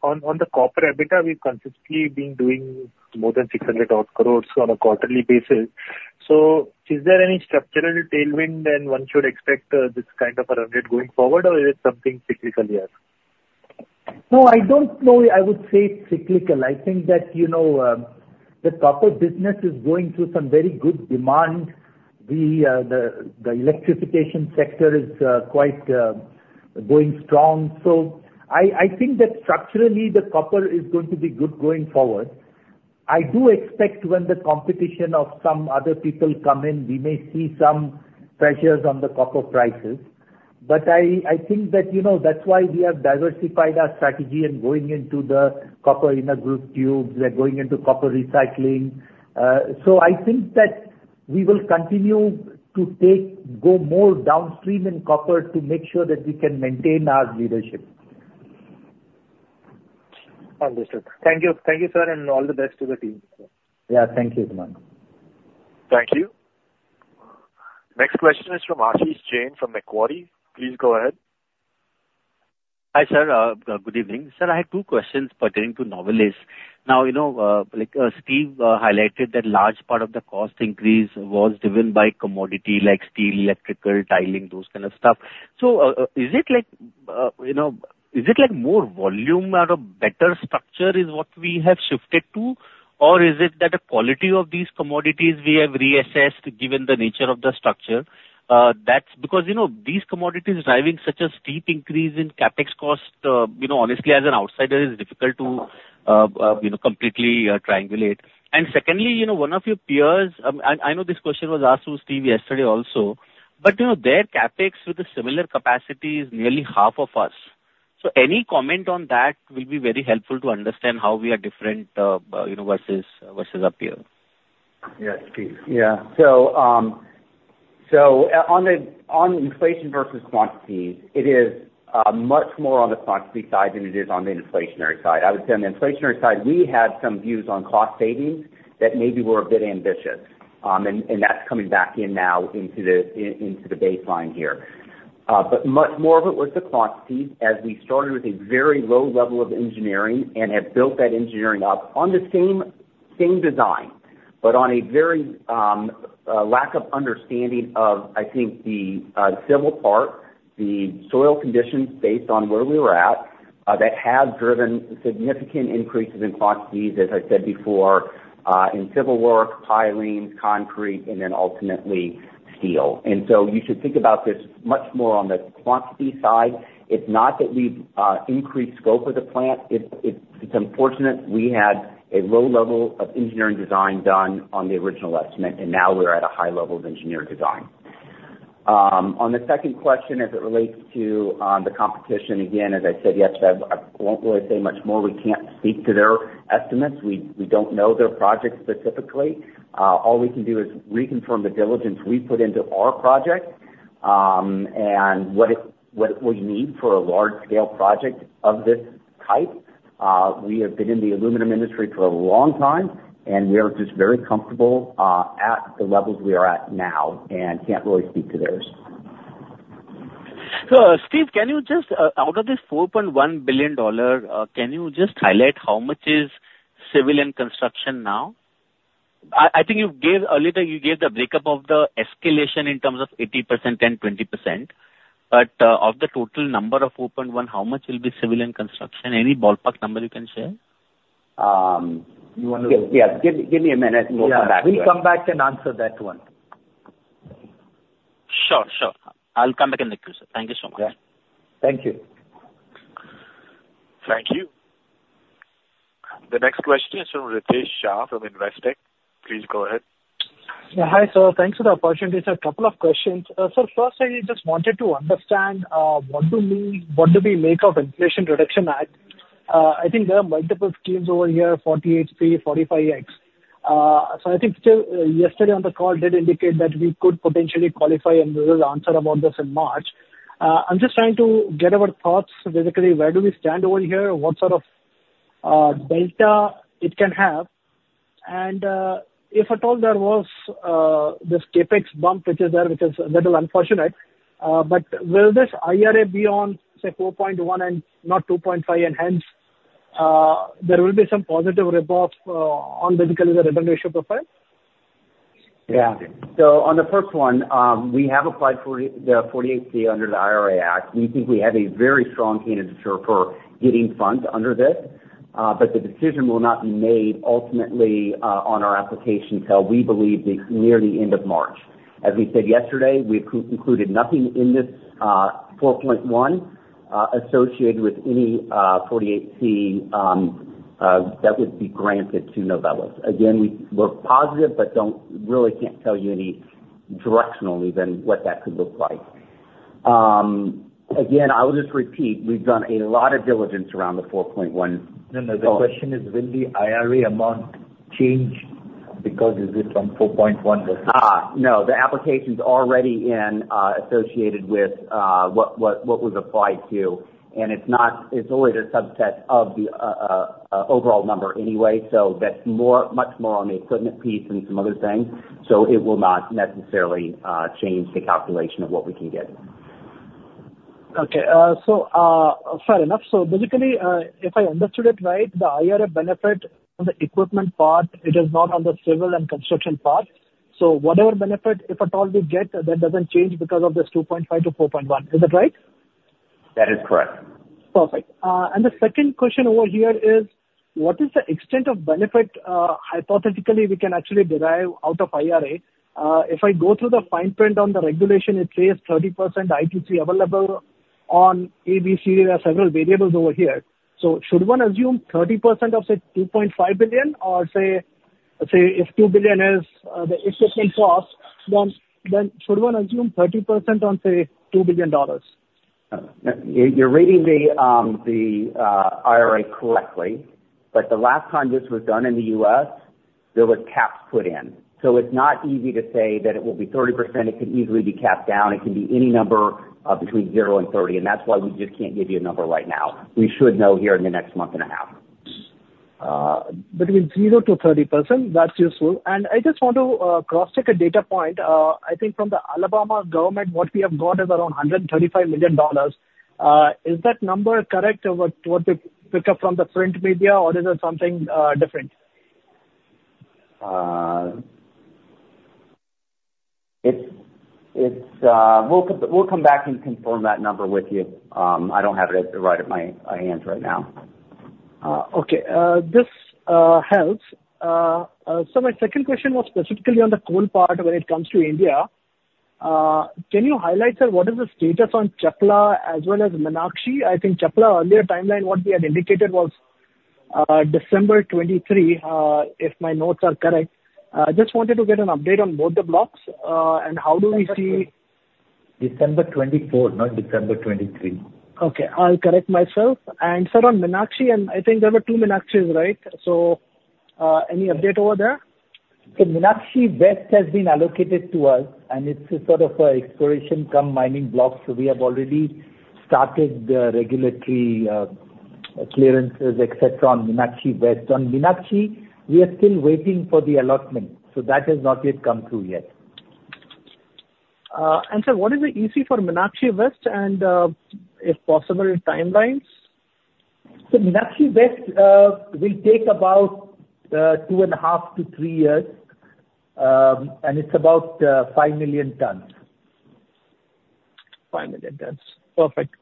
On the copper EBITDA, we've consistently been doing more than 600-odd crore on a quarterly basis. So is there any structural tailwind, and one should expect this kind of a run rate going forward, or is it something cyclical here? No, I don't know. I would say it's cyclical. I think that the copper business is going through some very good demand. The electrification sector is quite going strong. So I think that structurally, the copper is going to be good going forward. I do expect when the competition of some other people come in, we may see some pressures on the copper prices. But I think that that's why we have diversified our strategy and going into the copper inner grooved tubes. We're going into copper recycling. So I think that we will continue to go more downstream in copper to make sure that we can maintain our leadership. Understood. Thank you. Thank you, sir, and all the best to the team. Yeah. Thank you, Mangal. Thank you. Next question is from Ashish Jain from Macquarie. Please go ahead. Hi, sir. Good evening. Sir, I had two questions pertaining to Novelis. Now, Steve highlighted that large part of the cost increase was driven by commodity like steel, electrical, tiling, those kind of stuff. So is it like is it like more volume or a better structure is what we have shifted to, or is it that the quality of these commodities we have reassessed given the nature of the structure? Because these commodities driving such a steep increase in CapEx cost, honestly, as an outsider, is difficult to completely triangulate. And secondly, one of your peers I know this question was asked to Steve yesterday also, but their CapEx with a similar capacity is nearly half of us. So any comment on that will be very helpful to understand how we are different versus our peer. Yeah, Steve. Yeah. So on inflation versus quantities, it is much more on the quantity side than it is on the inflationary side. I would say on the inflationary side, we had some views on cost savings that maybe were a bit ambitious, and that's coming back in now into the baseline here. But much more of it was the quantities as we started with a very low level of engineering and have built that engineering up on the same design but on a very lack of understanding of, I think, the civil part, the soil conditions based on where we were at that have driven significant increases in quantities, as I said before, in civil work, piling, concrete, and then ultimately steel. And so you should think about this much more on the quantity side. It's not that we've increased scope of the plant. It's unfortunate we had a low level of engineering design done on the original estimate, and now we're at a high level of engineering design. On the second question as it relates to the competition, again, as I said, yes, I won't really say much more. We can't speak to their estimates. We don't know their project specifically. All we can do is reconfirm the diligence we put into our project and what we need for a large-scale project of this type. We have been in the aluminum industry for a long time, and we are just very comfortable at the levels we are at now and can't really speak to theirs. So Steve, out of this $4.1 billion, can you just highlight how much is civil and construction now? I think earlier, you gave the breakup of the escalation in terms of 80% and 20%. But of the total number of 4.1, how much will be civil and construction? Any ballpark number you can share? You want to? Yeah. Give me a minute, and we'll come back to that. We'll come back and answer that one. Sure. Sure. I'll come back and make sure. Thank you so much. Yeah. Thank you. Thank you. The next question is from Ritesh Shah from Investec. Please go ahead. Yeah. Hi, sir. Thanks for the opportunity, sir. A couple of questions. Sir, first, I just wanted to understand what do we make of Inflation Reduction Act. I think there are multiple schemes over here, 48C, 45X. So I think yesterday on the call did indicate that we could potentially qualify, and we will answer about this in March. I'm just trying to get our thoughts, basically, where do we stand over here, what sort of delta it can have, and if at all there was this CapEx bump which is there, which is a little unfortunate. But will this IRA be on, say, 4.1 and not 2.5, and hence, there will be some positive rebound on, basically, the revenue ratio profile? Yeah. So on the first one, we have applied for the 48C under the IRA Act. We think we have a very strong case for getting funds under this, but the decision will not be made ultimately on our application till, we believe, near the end of March. As we said yesterday, we've included nothing in this 4.1 associated with any 48C that would be granted to Novelis. Again, we're positive but really can't tell you any directional even what that could look like. Again, I will just repeat, we've done a lot of diligence around the 4.1. No, no. The question is, will the IRA amount change because is it from 4.1 versus? No. The application's already associated with what was applied to, and it's only the subset of the overall number anyway. So that's much more on the equipment piece and some other things, so it will not necessarily change the calculation of what we can get. Okay. So fair enough. So basically, if I understood it right, the IRA benefit on the equipment part, it is not on the civil and construction part. So whatever benefit, if at all, we get, that doesn't change because of this $2.5 billion-$4.1 billion. Is that right? That is correct. Perfect. And the second question over here is, what is the extent of benefit, hypothetically, we can actually derive out of IRA? If I go through the fine print on the regulation, it says 30% ITC available on A, B, C, there are several variables over here. So should one assume 30% of, say, $2.5 billion or, say, if $2 billion is the equipment cost, then should one assume 30% on, say, $2 billion? You're reading the IRA correctly, but the last time this was done in the US, there were caps put in. So it's not easy to say that it will be 30%. It can easily be capped down. It can be any number between 0 and 30, and that's why we just can't give you a number right now. We should know here in the next month and a half. Between 0%-30%, that's useful. And I just want to cross-check a data point. I think from the Alabama government, what we have got is around $135 million. Is that number correct of what we pick up from the print media, or is it something different? We'll come back and confirm that number with you. I don't have it right at my hands right now. Okay. This helps. So my second question was specifically on the coal part when it comes to India. Can you highlight, sir, what is the status on Chakla as well as Meenakshi? I think Chakla, earlier timeline, what we had indicated was December 2023, if my notes are correct. I just wanted to get an update on both the blocks and how do we see. December 2024, not December 2023. Okay. I'll correct myself. And sir, on Meenakshi, and I think there were two Meenakshis, right? So any update over there? So Meenakshi West has been allocated to us, and it's sort of an exploration cum mining block. So we have already started the regulatory clearances, etc., on Meenakshi West. On Meenakshi, we are still waiting for the allotment, so that has not yet come through yet. And sir, what is the EC for Meenakshi West and, if possible, timelines? So Meenakshi West will take about 2.5-3 years, and it's about 5 million tons. 5 million tons. Perfect.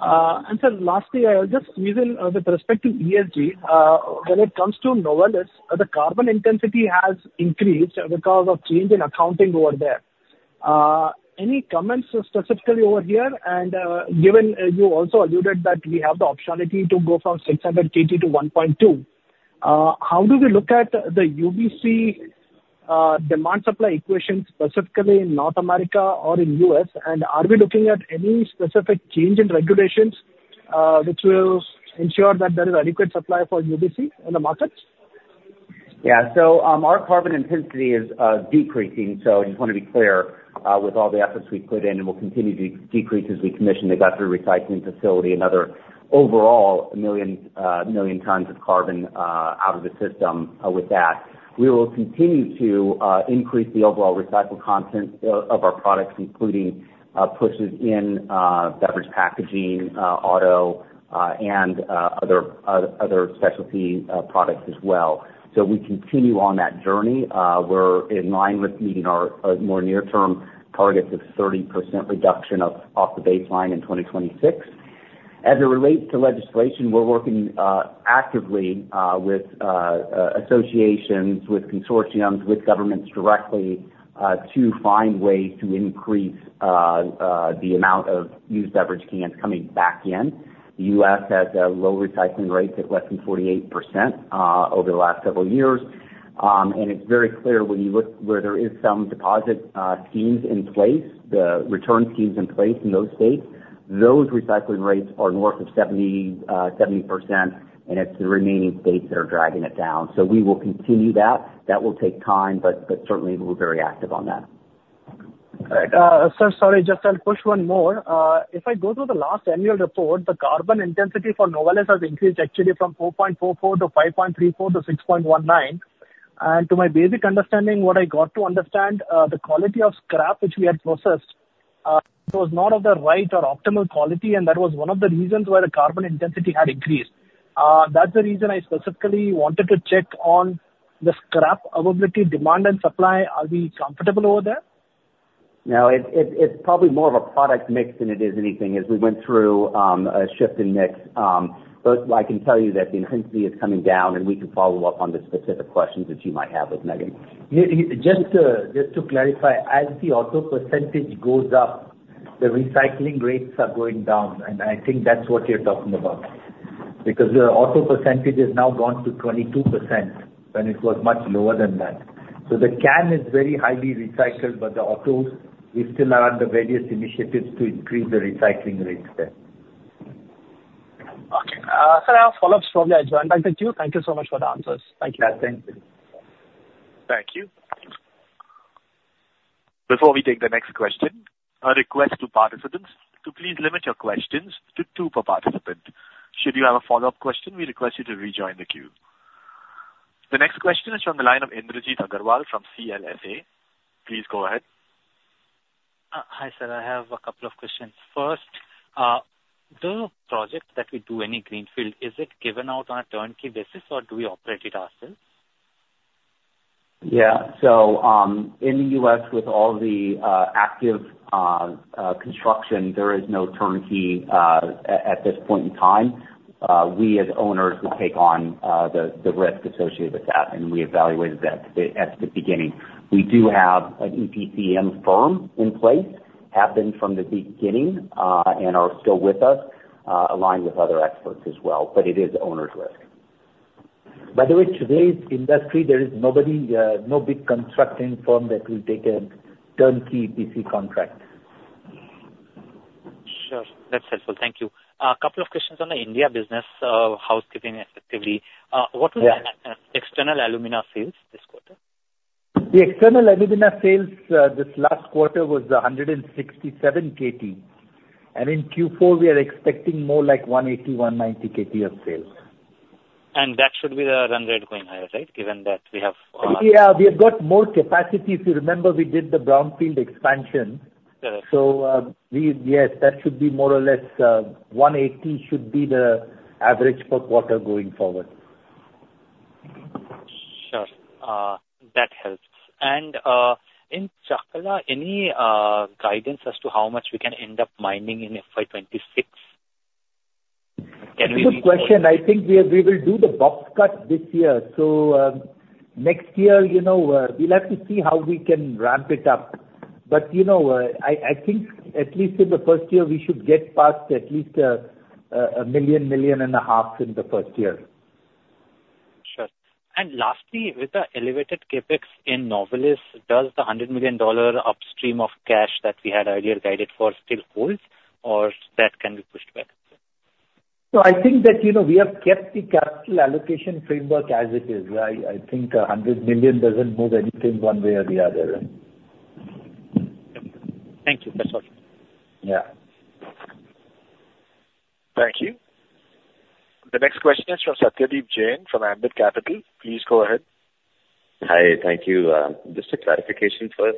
And sir, lastly, just with respect to ESG, when it comes to Novelis, the carbon intensity has increased because of change in accounting over there. Any comments specifically over here? And given you also alluded that we have the optionality to go from 680 to 1.2, how do we look at the UBC demand-supply equation specifically in North America or in U.S.? And are we looking at any specific change in regulations which will ensure that there is adequate supply for UBC in the markets? Yeah. So our carbon intensity is decreasing. So I just want to be clear, with all the efforts we put in, and we'll continue to decrease as we commission the Guthrie recycling facility and other overall million tons of carbon out of the system with that. We will continue to increase the overall recycle content of our products, including pushes in beverage packaging, auto, and other specialty products as well. So we continue on that journey. We're in line with meeting our more near-term targets of 30% reduction off the baseline in 2026. As it relates to legislation, we're working actively with associations, with consortiums, with governments directly to find ways to increase the amount of used beverage cans coming back in. The U.S. has low recycling rates at less than 48% over the last several years, and it's very clear when you look where there are some deposit schemes in place, the return schemes in place in those states, those recycling rates are north of 70%, and it's the remaining states that are dragging it down. So we will continue that. That will take time, but certainly, we'll be very active on that. All right. Sir, sorry, just I'll push one more. If I go through the last annual report, the carbon intensity for Novelis has increased actually from 4.44 to 5.34 to 6.19. And to my basic understanding, what I got to understand, the quality of scrap which we had processed was not of the right or optimal quality, and that was one of the reasons why the carbon intensity had increased. That's the reason I specifically wanted to check on the scrap availability, demand, and supply. Are we comfortable over there? No. It's probably more of a product mix than it is anything as we went through a shift in mix. But I can tell you that the intensity is coming down, and we can follow up on the specific questions that you might have with Megan. Just to clarify, as the auto percentage goes up, the recycling rates are going down, and I think that's what you're talking about because the auto percentage has now gone to 22% when it was much lower than that. So the can is very highly recycled, but the autos, we still are under various initiatives to increase the recycling rates there. Okay. Sir, our follow-ups probably are joined back to the queue. Thank you so much for the answers. Thank you. Yeah. Thank you. Thank you. Before we take the next question, a request to participants to please limit your questions to two per participant. Should you have a follow-up question, we request you to rejoin the queue. The next question is from the line of Indrajit Agarwal from CLSA. Please go ahead. Hi, sir. I have a couple of questions. First, do projects that we do any greenfield, is it given out on a turnkey basis, or do we operate it ourselves? Yeah. So in the U.S., with all the active construction, there is no turnkey at this point in time. We, as owners, would take on the risk associated with that, and we evaluated that at the beginning. We do have an EPCM firm in place, have been from the beginning, and are still with us, aligned with other experts as well, but it is owner's risk. By the way, today's industry, there is no big construction firm that will take a turnkey EPC contract. Sure. That's helpful. Thank you. A couple of questions on the India business, housekeeping effectively. What was the external alumina sales this quarter? The external alumina sales this last quarter was 167 KT, and in Q4, we are expecting more like 180-190 KT of sales. And that should be the run rate going higher, right, given that we have? Yeah. We have got more capacity. If you remember, we did the brownfield expansion. So yes, that should be more or less 180 should be the average per quarter going forward. Sure. That helps. And in Chakla, any guidance as to how much we can end up mining in FY26? Can we? That's a good question. I think we will do the box cut this year. So next year, we'll have to see how we can ramp it up, but I think at least in the first year, we should get past at least 1 million-1.5 million in the first year. Sure. And lastly, with the elevated CapEx in Novelis, does the $100 million upstreaming of cash that we had earlier guided for still hold, or that can be pushed back? So I think that we have kept the capital allocation framework as it is. I think $100 million doesn't move anything one way or the other. Thank you. That's all. Yeah. Thank you. The next question is from Satyadeep Jain from Ambit Capital. Please go ahead. Hi. Thank you. Just a clarification first.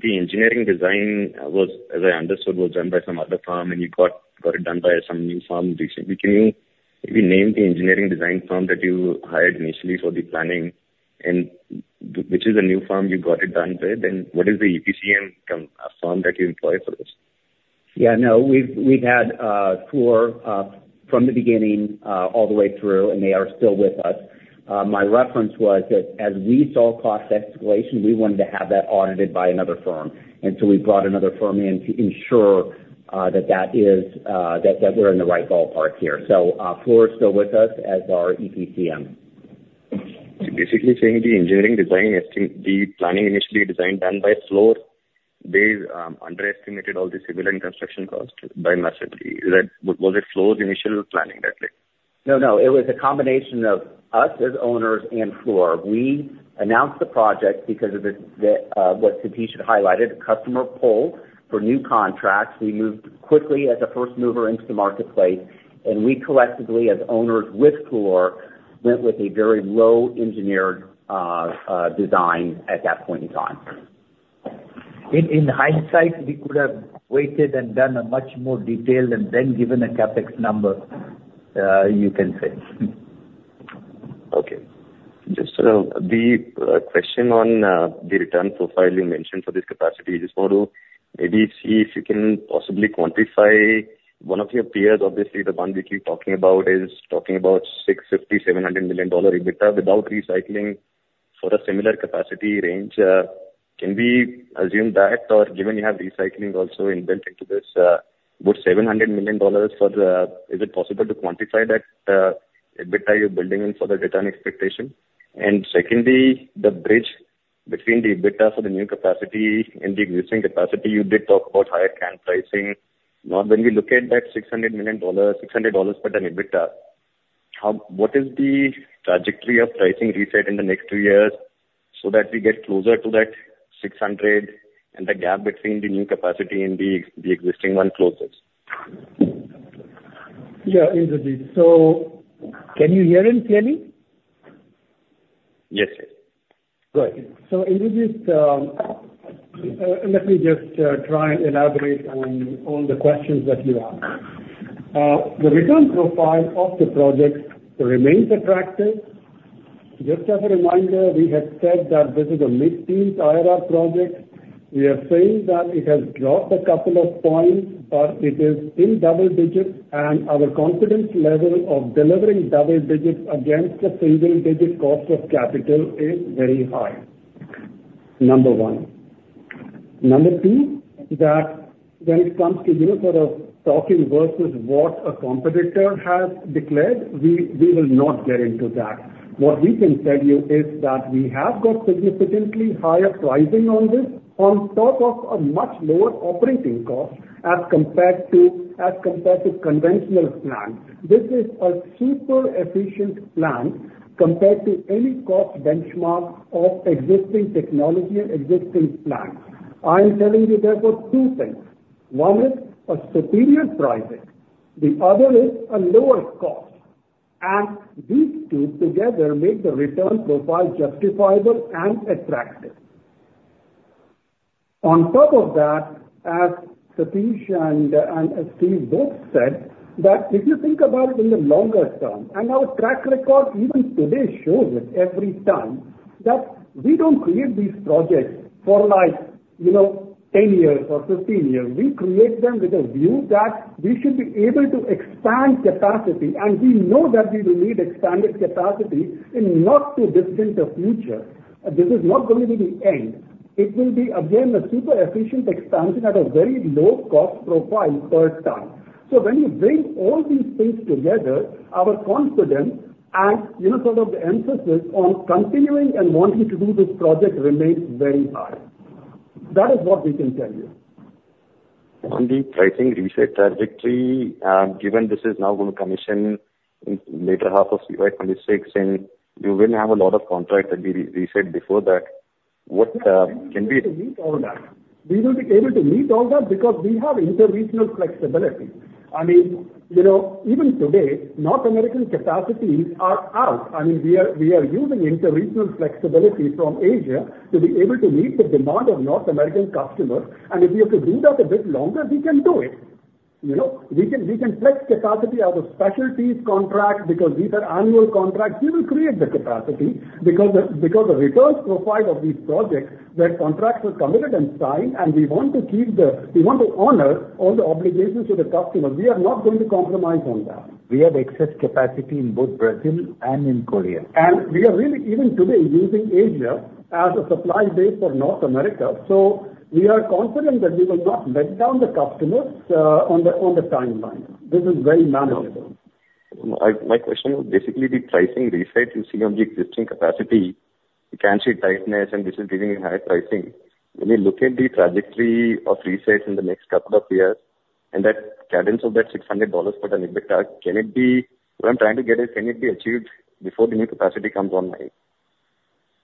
The engineering design, as I understood, was done by some other firm, and you got it done by some new firm recently. Can you maybe name the engineering design firm that you hired initially for the planning, and which is the new firm you got it done with, and what is the EPCM firm that you employ for this? Yeah. No. We've had Fluor from the beginning all the way through, and they are still with us. My reference was that as we saw cost escalation, we wanted to have that audited by another firm, and so we brought another firm in to ensure that we're in the right ballpark here. So Fluor is still with us as our EPCM. So basically saying the engineering design, the planning initially designed done by Fluor, they underestimated all the civil and construction costs by massively. Was it Fluor's initial planning that way? No, no. It was a combination of us as owners and Fluor. We announced the project because of what Satyadeep should have highlighted, a customer pull for new contracts. We moved quickly as a first mover into the marketplace, and we collectively, as owners with Fluor, went with a very low-engineered design at that point in time. In hindsight, we could have waited and done a much more detailed and then given a CapEx number, you can say. Okay. Just a question on the return profile you mentioned for this capacity. I just want to maybe see if you can possibly quantify one of your peers. Obviously, the one we keep talking about is talking about $650 million-$700 million EBITDA without recycling for a similar capacity range. Can we assume that, or given you have recycling also inbuilt into this, would $700 million dollars for is it possible to quantify that EBITDA you're building in for the return expectation? And secondly, the bridge between the EBITDA for the new capacity and the existing capacity, you did talk about higher can pricing. Now, when we look at that $600 million per ton EBITDA, what is the trajectory of pricing reset in the next 2 years so that we get closer to that 600 and the gap between the new capacity and the existing one closes? Yeah. Indrajit, so can you hear him clearly? Yes, sir. Go ahead. So Indrajit, let me just try and elaborate on all the questions that you asked. The return profile of the project remains attractive. Just as a reminder, we have said that this is a mid-teens IRR project. We are saying that it has dropped a couple of points, but it is in double digits, and our confidence level of delivering double digits against a single-digit cost of capital is very high, number one. Number two, that when it comes to sort of talking versus what a competitor has declared, we will not get into that. What we can tell you is that we have got significantly higher pricing on this on top of a much lower operating cost as compared to conventional plans. This is a super-efficient plan compared to any cost benchmark of existing technology and existing plans. I am telling you, therefore, two things. One is a superior pricing. The other is a lower cost. And these two together make the return profile justifiable and attractive. On top of that, as Satish and Steve both said, that if you think about it in the longer term and our track record, even today shows it every time, that we don't create these projects for 10 years or 15 years. We create them with a view that we should be able to expand capacity, and we know that we will need expanded capacity in not too distant a future. This is not going to be the end. It will be, again, a super-efficient expansion at a very low-cost profile per ton. So when you bring all these things together, our confidence and sort of the emphasis on continuing and wanting to do this project remains very high. That is what we can tell you. On the pricing reset trajectory, given this is now going to commission in later half of CY26, and you will have a lot of contracts that will be reset before that, what can be? We will be able to meet all that. We will be able to meet all that because we have interregional flexibility. I mean, even today, North American capacities are out. I mean, we are using interregional flexibility from Asia to be able to meet the demand of North American customers. If we have to do that a bit longer, we can do it. We can flex capacity out of specialties contracts because these are annual contracts. We will create the capacity because the return profile of these projects, their contracts were committed and signed, and we want to honor all the obligations to the customers. We are not going to compromise on that. We have excess capacity in both Brazil and in Korea. And we are really, even today, using Asia as a supply base for North America. So we are confident that we will not let down the customers on the timeline. This is very manageable. My question was basically the pricing reset. You see on the existing capacity, you can see tightness, and this is giving you high pricing. When you look at the trajectory of reset in the next couple of years and the cadence of that $600 per ton EBITDA, what I'm trying to get is, can it be achieved before the new capacity comes online?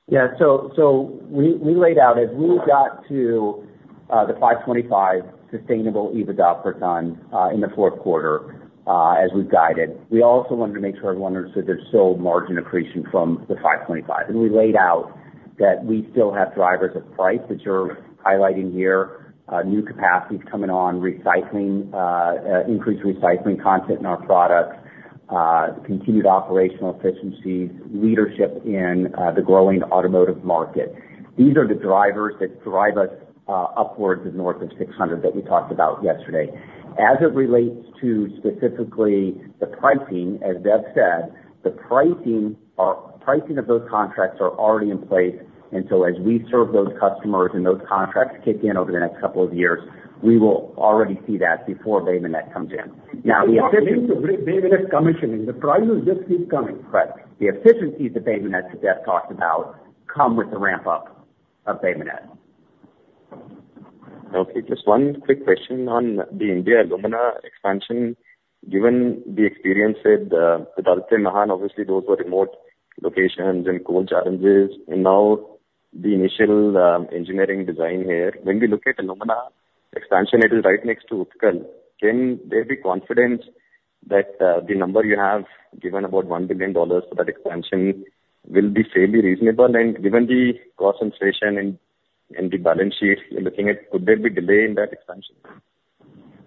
Yeah. We laid out as we got to the $525 sustainable EBITDA per ton in the fourth quarter as we guided, we also wanted to make sure everyone understood there's still margin accretion from the $525. And we laid out that we still have drivers of price that you're highlighting here, new capacities coming on, increased recycling content in our products, continued operational efficiencies, leadership in the growing automotive market. These are the drivers that drive us upwards of north of $600 that we talked about yesterday. As it relates to specifically the pricing, as Dev said, the pricing of those contracts are already in place. And so as we serve those customers and those contracts kick in over the next couple of years, we will already see that before Bay Minette comes in. Now, the efficiency. Yeah. But you said Bay Minette's commissioning. The prices just keep coming. Correct. The efficiencies that Bay Minette that Dev talked about come with the ramp-up of Bay Minette. Okay. Just one quick question on the India alumina expansion. Given the experience with Aditya, Mahan, obviously, those were remote locations and cost challenges. And now, the initial engineering design here, when we look at alumina expansion, it is right next to Utkal. Can there be confidence that the number you have given about $1 billion for that expansion will be fairly reasonable? And given the concentration in the balance sheet you're looking at, could there be delay in that expansion?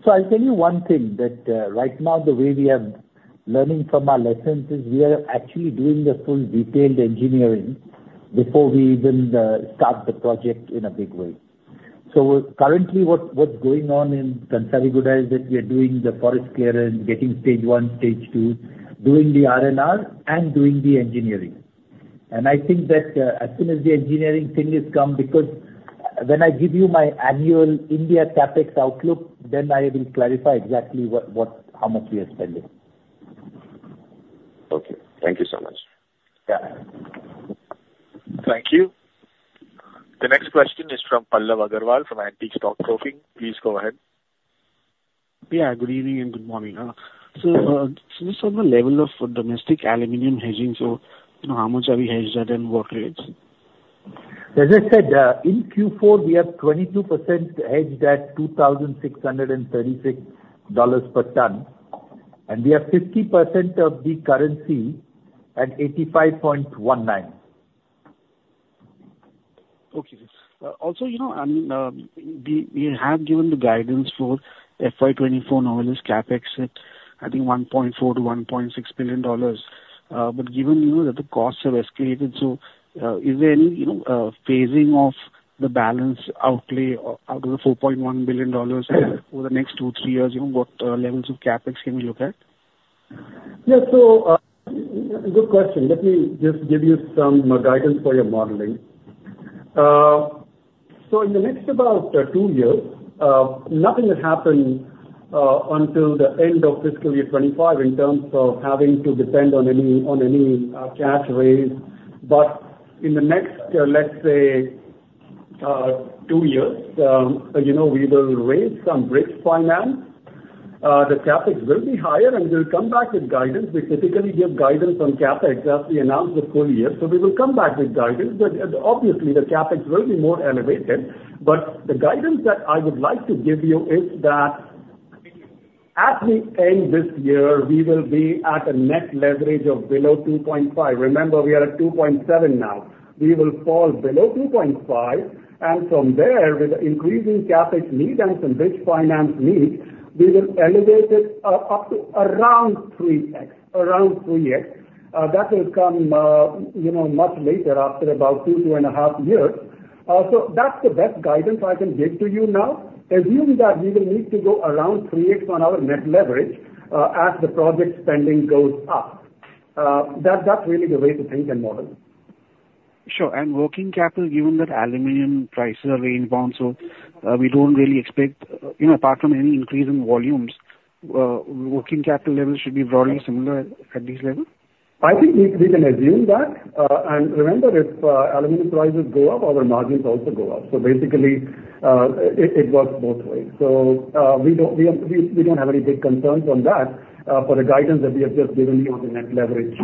So I'll tell you one thing that right now, the way we are learning from our lessons is we are actually doing the full detailed engineering before we even start the project in a big way. So currently, what's going on in Kansariguda is that we are doing the forest clearance, getting stage one, stage two, doing the R&R, and doing the engineering. And I think that as soon as the engineering thing has come because when I give you my annual India CapEx outlook, then I will clarify exactly how much we are spending. Okay. Thank you so much. Yeah. Thank you. The next question is from Pallav Agarwal from Antique Stock Broking. Please go ahead. Yeah. Good evening and good morning. So just on the level of domestic aluminium hedging, so how much have we hedged that and what rates? As I said, in Q4, we have 22% hedged at $2,636 per ton, and we have 50% of the currency at 85.19. Okay. Also, I mean, we have given the guidance for FY2024 Novelis CapEx at, I think, $1.4 billion-$1.6 billion. But given that the costs have escalated, so is there any phasing of the balance outlay out of the $4.1 billion over the next 2-3 years? What levels of CapEx can we look at? Yeah. So good question. Let me just give you some guidance for your modeling. So in the next about 2 years, nothing will happen until the end of fiscal year 2025 in terms of having to depend on any cash raise. But in the next, let's say, 2 years, we will raise some bridge finance. The CapEx will be higher, and we'll come back with guidance. We typically give guidance on CapEx as we announce the full year. So we will come back with guidance. But obviously, the CapEx will be more elevated. But the guidance that I would like to give you is that at the end this year, we will be at a net leverage of below 2.5. Remember, we are at 2.7 now. We will fall below 2.5. And from there, with increasing CapEx needs and some bridge finance needs, we will elevate it up to around 3x. Around 3x. That will come much later after about two, two and a half years. So that's the best guidance I can give to you now, assuming that we will need to go around 3x on our net leverage as the project spending goes up. That's really the way to think and model. Sure. And working capital, given that aluminum prices are range-bound, so we don't really expect apart from any increase in volumes, working capital levels should be broadly similar at this level? I think we can assume that. And remember, if aluminum prices go up, our margins also go up. So basically, it works both ways. So we don't have any big concerns on that for the guidance that we have just given you on the net leverage.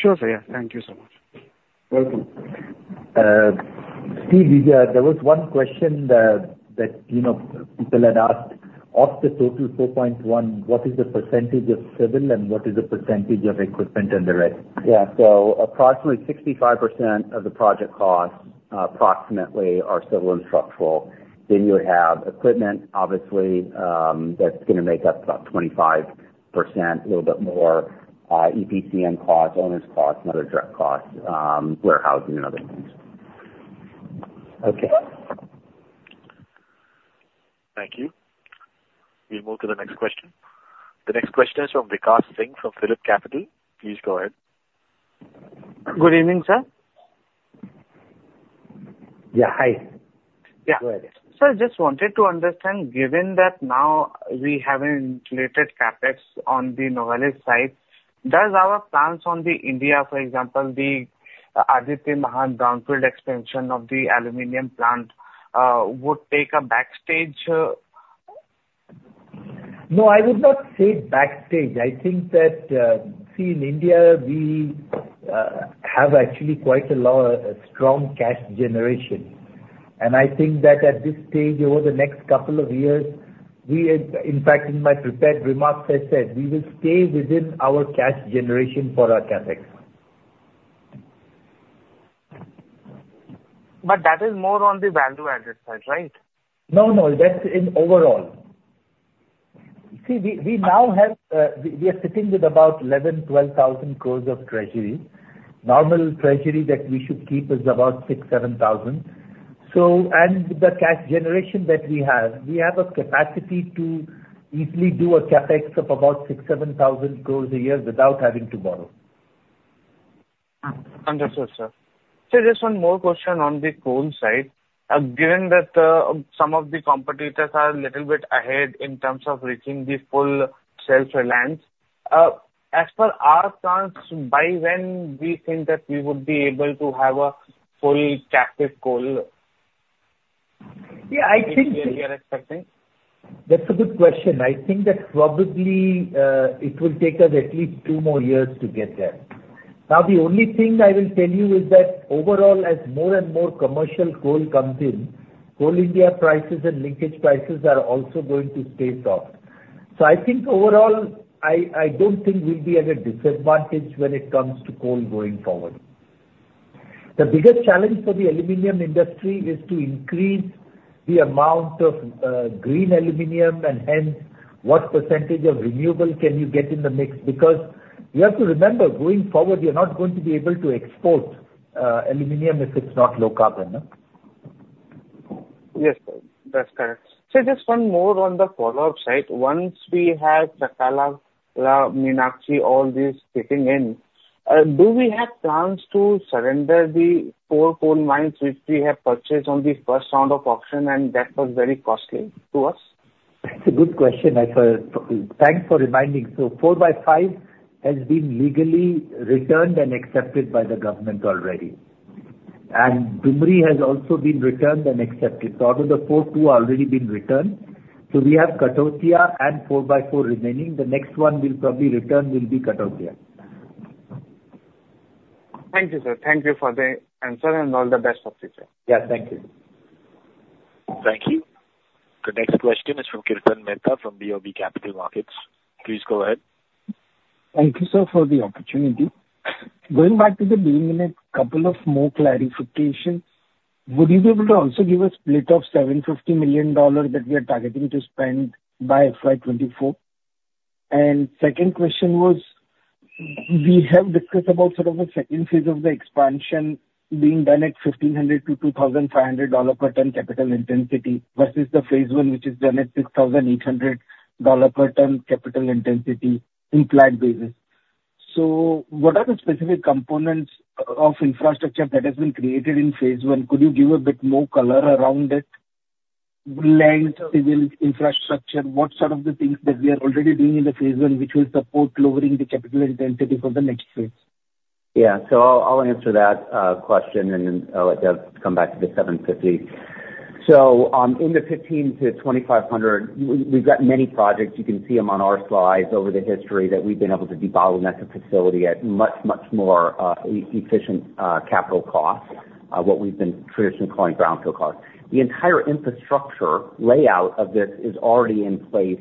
Sure, sir. Yeah. Thank you so much. Welcome. Steve, there was one question that people had asked. Off the total 4.1, what is the percentage of civil and what is the percentage of equipment and the rest? Yeah. So approximately 65% of the project costs, approximately, are civil and structural. Then you would have equipment, obviously, that's going to make up about 25%, a little bit more EPCM costs, owners' costs, and other direct costs, warehousing, and other things. Okay. Thank you. We'll move to the next question. The next question is from Vikas Singh from PhillipCapital. Please go ahead. Good evening, sir. Yeah. Hi. Yeah. Go ahead. Yeah. Sir, I just wanted to understand, given that now we haven't inflated CapEx on the Novelis side, does our plans in India, for example, the Aditya, Mahan brownfield expansion of the aluminum plant, would take a backseat? No, I would not say backseat. I think that, see, in India, we have actually quite a lot of strong cash generation. I think that at this stage, over the next couple of years, in fact, in my prepared remarks, I said we will stay within our cash generation for our CapEx. But that is more on the value-added side, right? No, no. That's overall. See, we are sitting with about 11,000-12,000 crore of treasury. Normal treasury that we should keep is about 6,000-7,000 crore. And with the cash generation that we have, we have a capacity to easily do a CapEx of about 6,000-7,000 crore a year without having to borrow. Understood, sir. Sir, just one more question on the coal side. Given that some of the competitors are a little bit ahead in terms of reaching the full self-reliance, as per our plans, by when do you think that we would be able to have a full captive coal? Yeah. I think that's a good question. I think that probably it will take us at least two more years to get there. Now, the only thing I will tell you is that overall, as more and more commercial coal comes in, Coal India prices and linkage prices are also going to stay soft. So I think overall, I don't think we'll be at a disadvantage when it comes to coal going forward. The biggest challenge for the aluminum industry is to increase the amount of green aluminum and hence, what percentage of renewable can you get in the mix? Because you have to remember, going forward, you're not going to be able to export aluminum if it's not low-carbon. Yes, sir. That's correct. Sir, just one more on the coal ops side. Once we have Chakla, Meenakshi, all these kicking in, do we have plans to surrender the four coal mines which we have purchased on the first round of auction and that was very costly to us? That's a good question. Thanks for reminding. So IV/4 has been legally returned and accepted by the government already. And Dumri has also been returned and accepted. So out of the four, two have already been returned. So we have Kathautia and 4/4 remaining. The next one will probably return will be Kathautia. Thank you, sir. Thank you for the answer and all the best of future. Yeah. Thank you. Thank you. The next question is from Kirtan Mehta from BOB Capital Markets. Please go ahead. Thank you, sir, for the opportunity. Going back to the Bay Minette, a couple of more clarifications. Would you be able to also give a split of $750 million that we are targeting to spend by FY24? And second question was, we have discussed about sort of a second phase of the expansion being done at $1,500-$2,500 per ton capital intensity versus the phase one which is done at $6,800 per ton capital intensity implied basis. So what are the specific components of infrastructure that has been created in phase one? Could you give a bit more color around it? Land, civil infrastructure, what sort of the things that we are already doing in the phase one which will support lowering the capital intensity for the next phase? Yeah. So I'll answer that question, and then I'll let Dev come back to the 750. So in the 1,500 to 2,500, we've got many projects. You can see them on our slides over the history that we've been able to debottleneck a facility at much, much more efficient capital costs, what we've been traditionally calling brownfield costs. The entire infrastructure layout of this is already in place.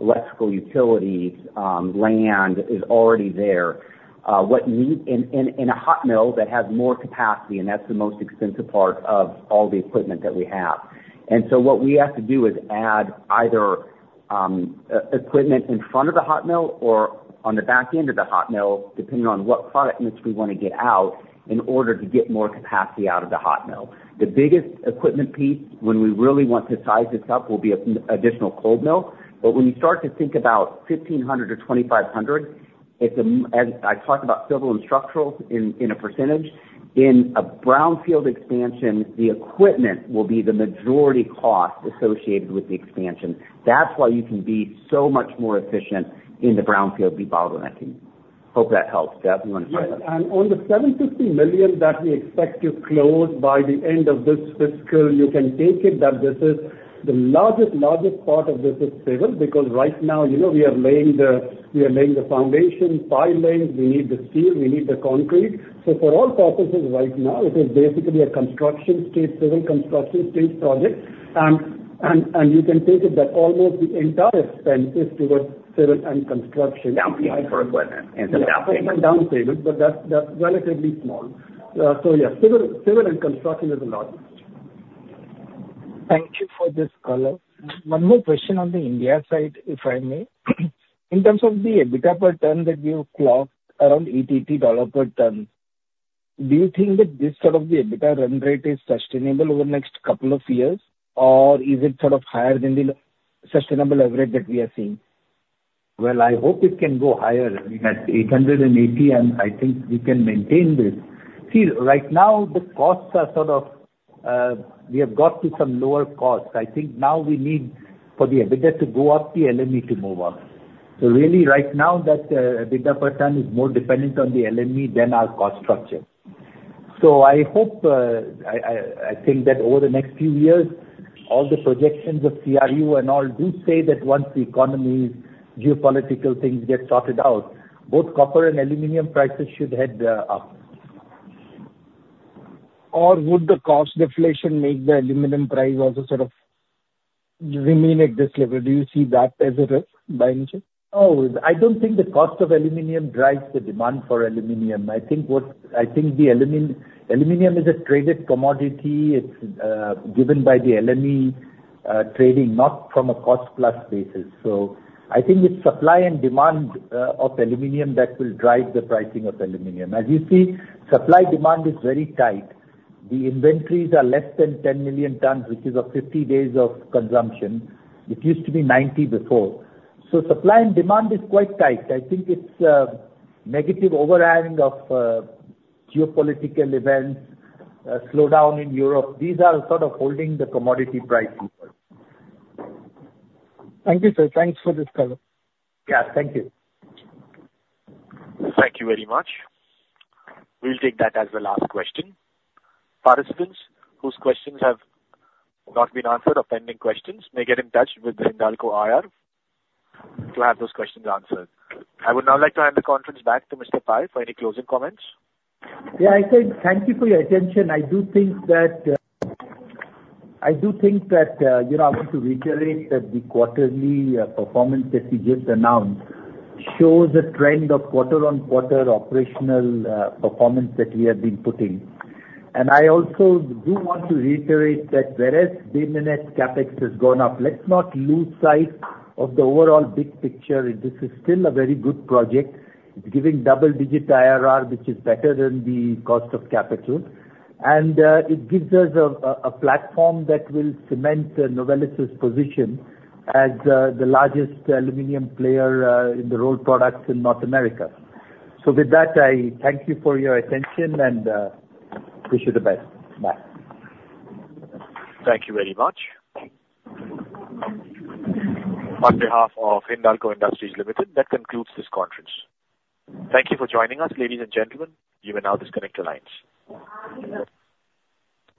Electrical utilities, land is already there. In a hot mill that has more capacity—and that's the most expensive part of all the equipment that we have—and so what we have to do is add either equipment in front of the hot mill or on the back end of the hot mill, depending on what product mix we want to get out, in order to get more capacity out of the hot mill. The biggest equipment piece when we really want to size this up will be an additional cold mill. But when you start to think about 1,500-2,500, as I talked about civil and structural in a percentage, in a brownfield expansion, the equipment will be the majority cost associated with the expansion. That's why you can be so much more efficient in the brownfield debottleneck and that team. Hope that helps, Dev. You want to start? Yeah. And on the $750 million that we expect to close by the end of this fiscal, you can take it that the largest, largest part of this is civil because right now, we are laying the foundation, pile laying. We need the steel. We need the concrete. So for all purposes right now, it is basically a civil construction stage project. And you can take it that almost the entire spend is towards civil and construction. Down payment for equipment and some down payment. Yeah. Some down payment, but that's relatively small. So yeah, civil and construction is the largest. Thank you for this color. One more question on the India side, if I may. In terms of the EBITDA per ton that you clocked around $880 per ton, do you think that this sort of the EBITDA run rate is sustainable over the next couple of years, or is it sort of higher than the sustainable average that we are seeing? Well, I hope it can go higher. We're at $880, and I think we can maintain this. See, right now, the costs are sort of we have got to some lower costs. I think now we need for the EBITDA to go up, the LME to move up. So really, right now, that EBITDA per ton is more dependent on the LME than our cost structure. So I think that over the next few years, all the projections of CRU and all do say that once the economy's geopolitical things get sorted out, both copper and aluminium prices should head up. Or would the cost deflation make the aluminium price also sort of remain at this level? Do you see that as a risk by any chance? Oh, I don't think the cost of aluminium drives the demand for aluminium. I think the aluminium is a traded commodity. It's given by the LME trading, not from a cost-plus basis. So I think it's supply and demand of aluminium that will drive the pricing of aluminium. As you see, supply-demand is very tight. The inventories are less than 10 million tons, which is 50 days of consumption. It used to be 90 before. So supply and demand is quite tight. I think it's negative overhang of geopolitical events, slowdown in Europe. These are sort of holding the commodity price level. Thank you, sir. Thanks for this color. Yeah. Thank you. Thank you very much. We'll take that as the last question. Participants whose questions have not been answered or pending questions may get in touch with the Hindalco IR to have those questions answered. I would now like to hand the conference back to Mr. Pai for any closing comments. Yeah. I said thank you for your attention. I do think that I do think that I want to reiterate that the quarterly performance that we just announced shows a trend of quarter-on-quarter operational performance that we have been putting. And I also do want to reiterate that whereas Bay Minette CapEx has gone up, let's not lose sight of the overall big picture. This is still a very good project. It's giving double-digit IRR, which is better than the cost of capital. It gives us a platform that will cement Novelis's position as the largest aluminium player in the rolled products in North America. With that, I thank you for your attention and wish you the best. Bye. Thank you very much. On behalf of Hindalco Industries Limited, that concludes this conference. Thank you for joining us, ladies and gentlemen. You may now disconnect your lines.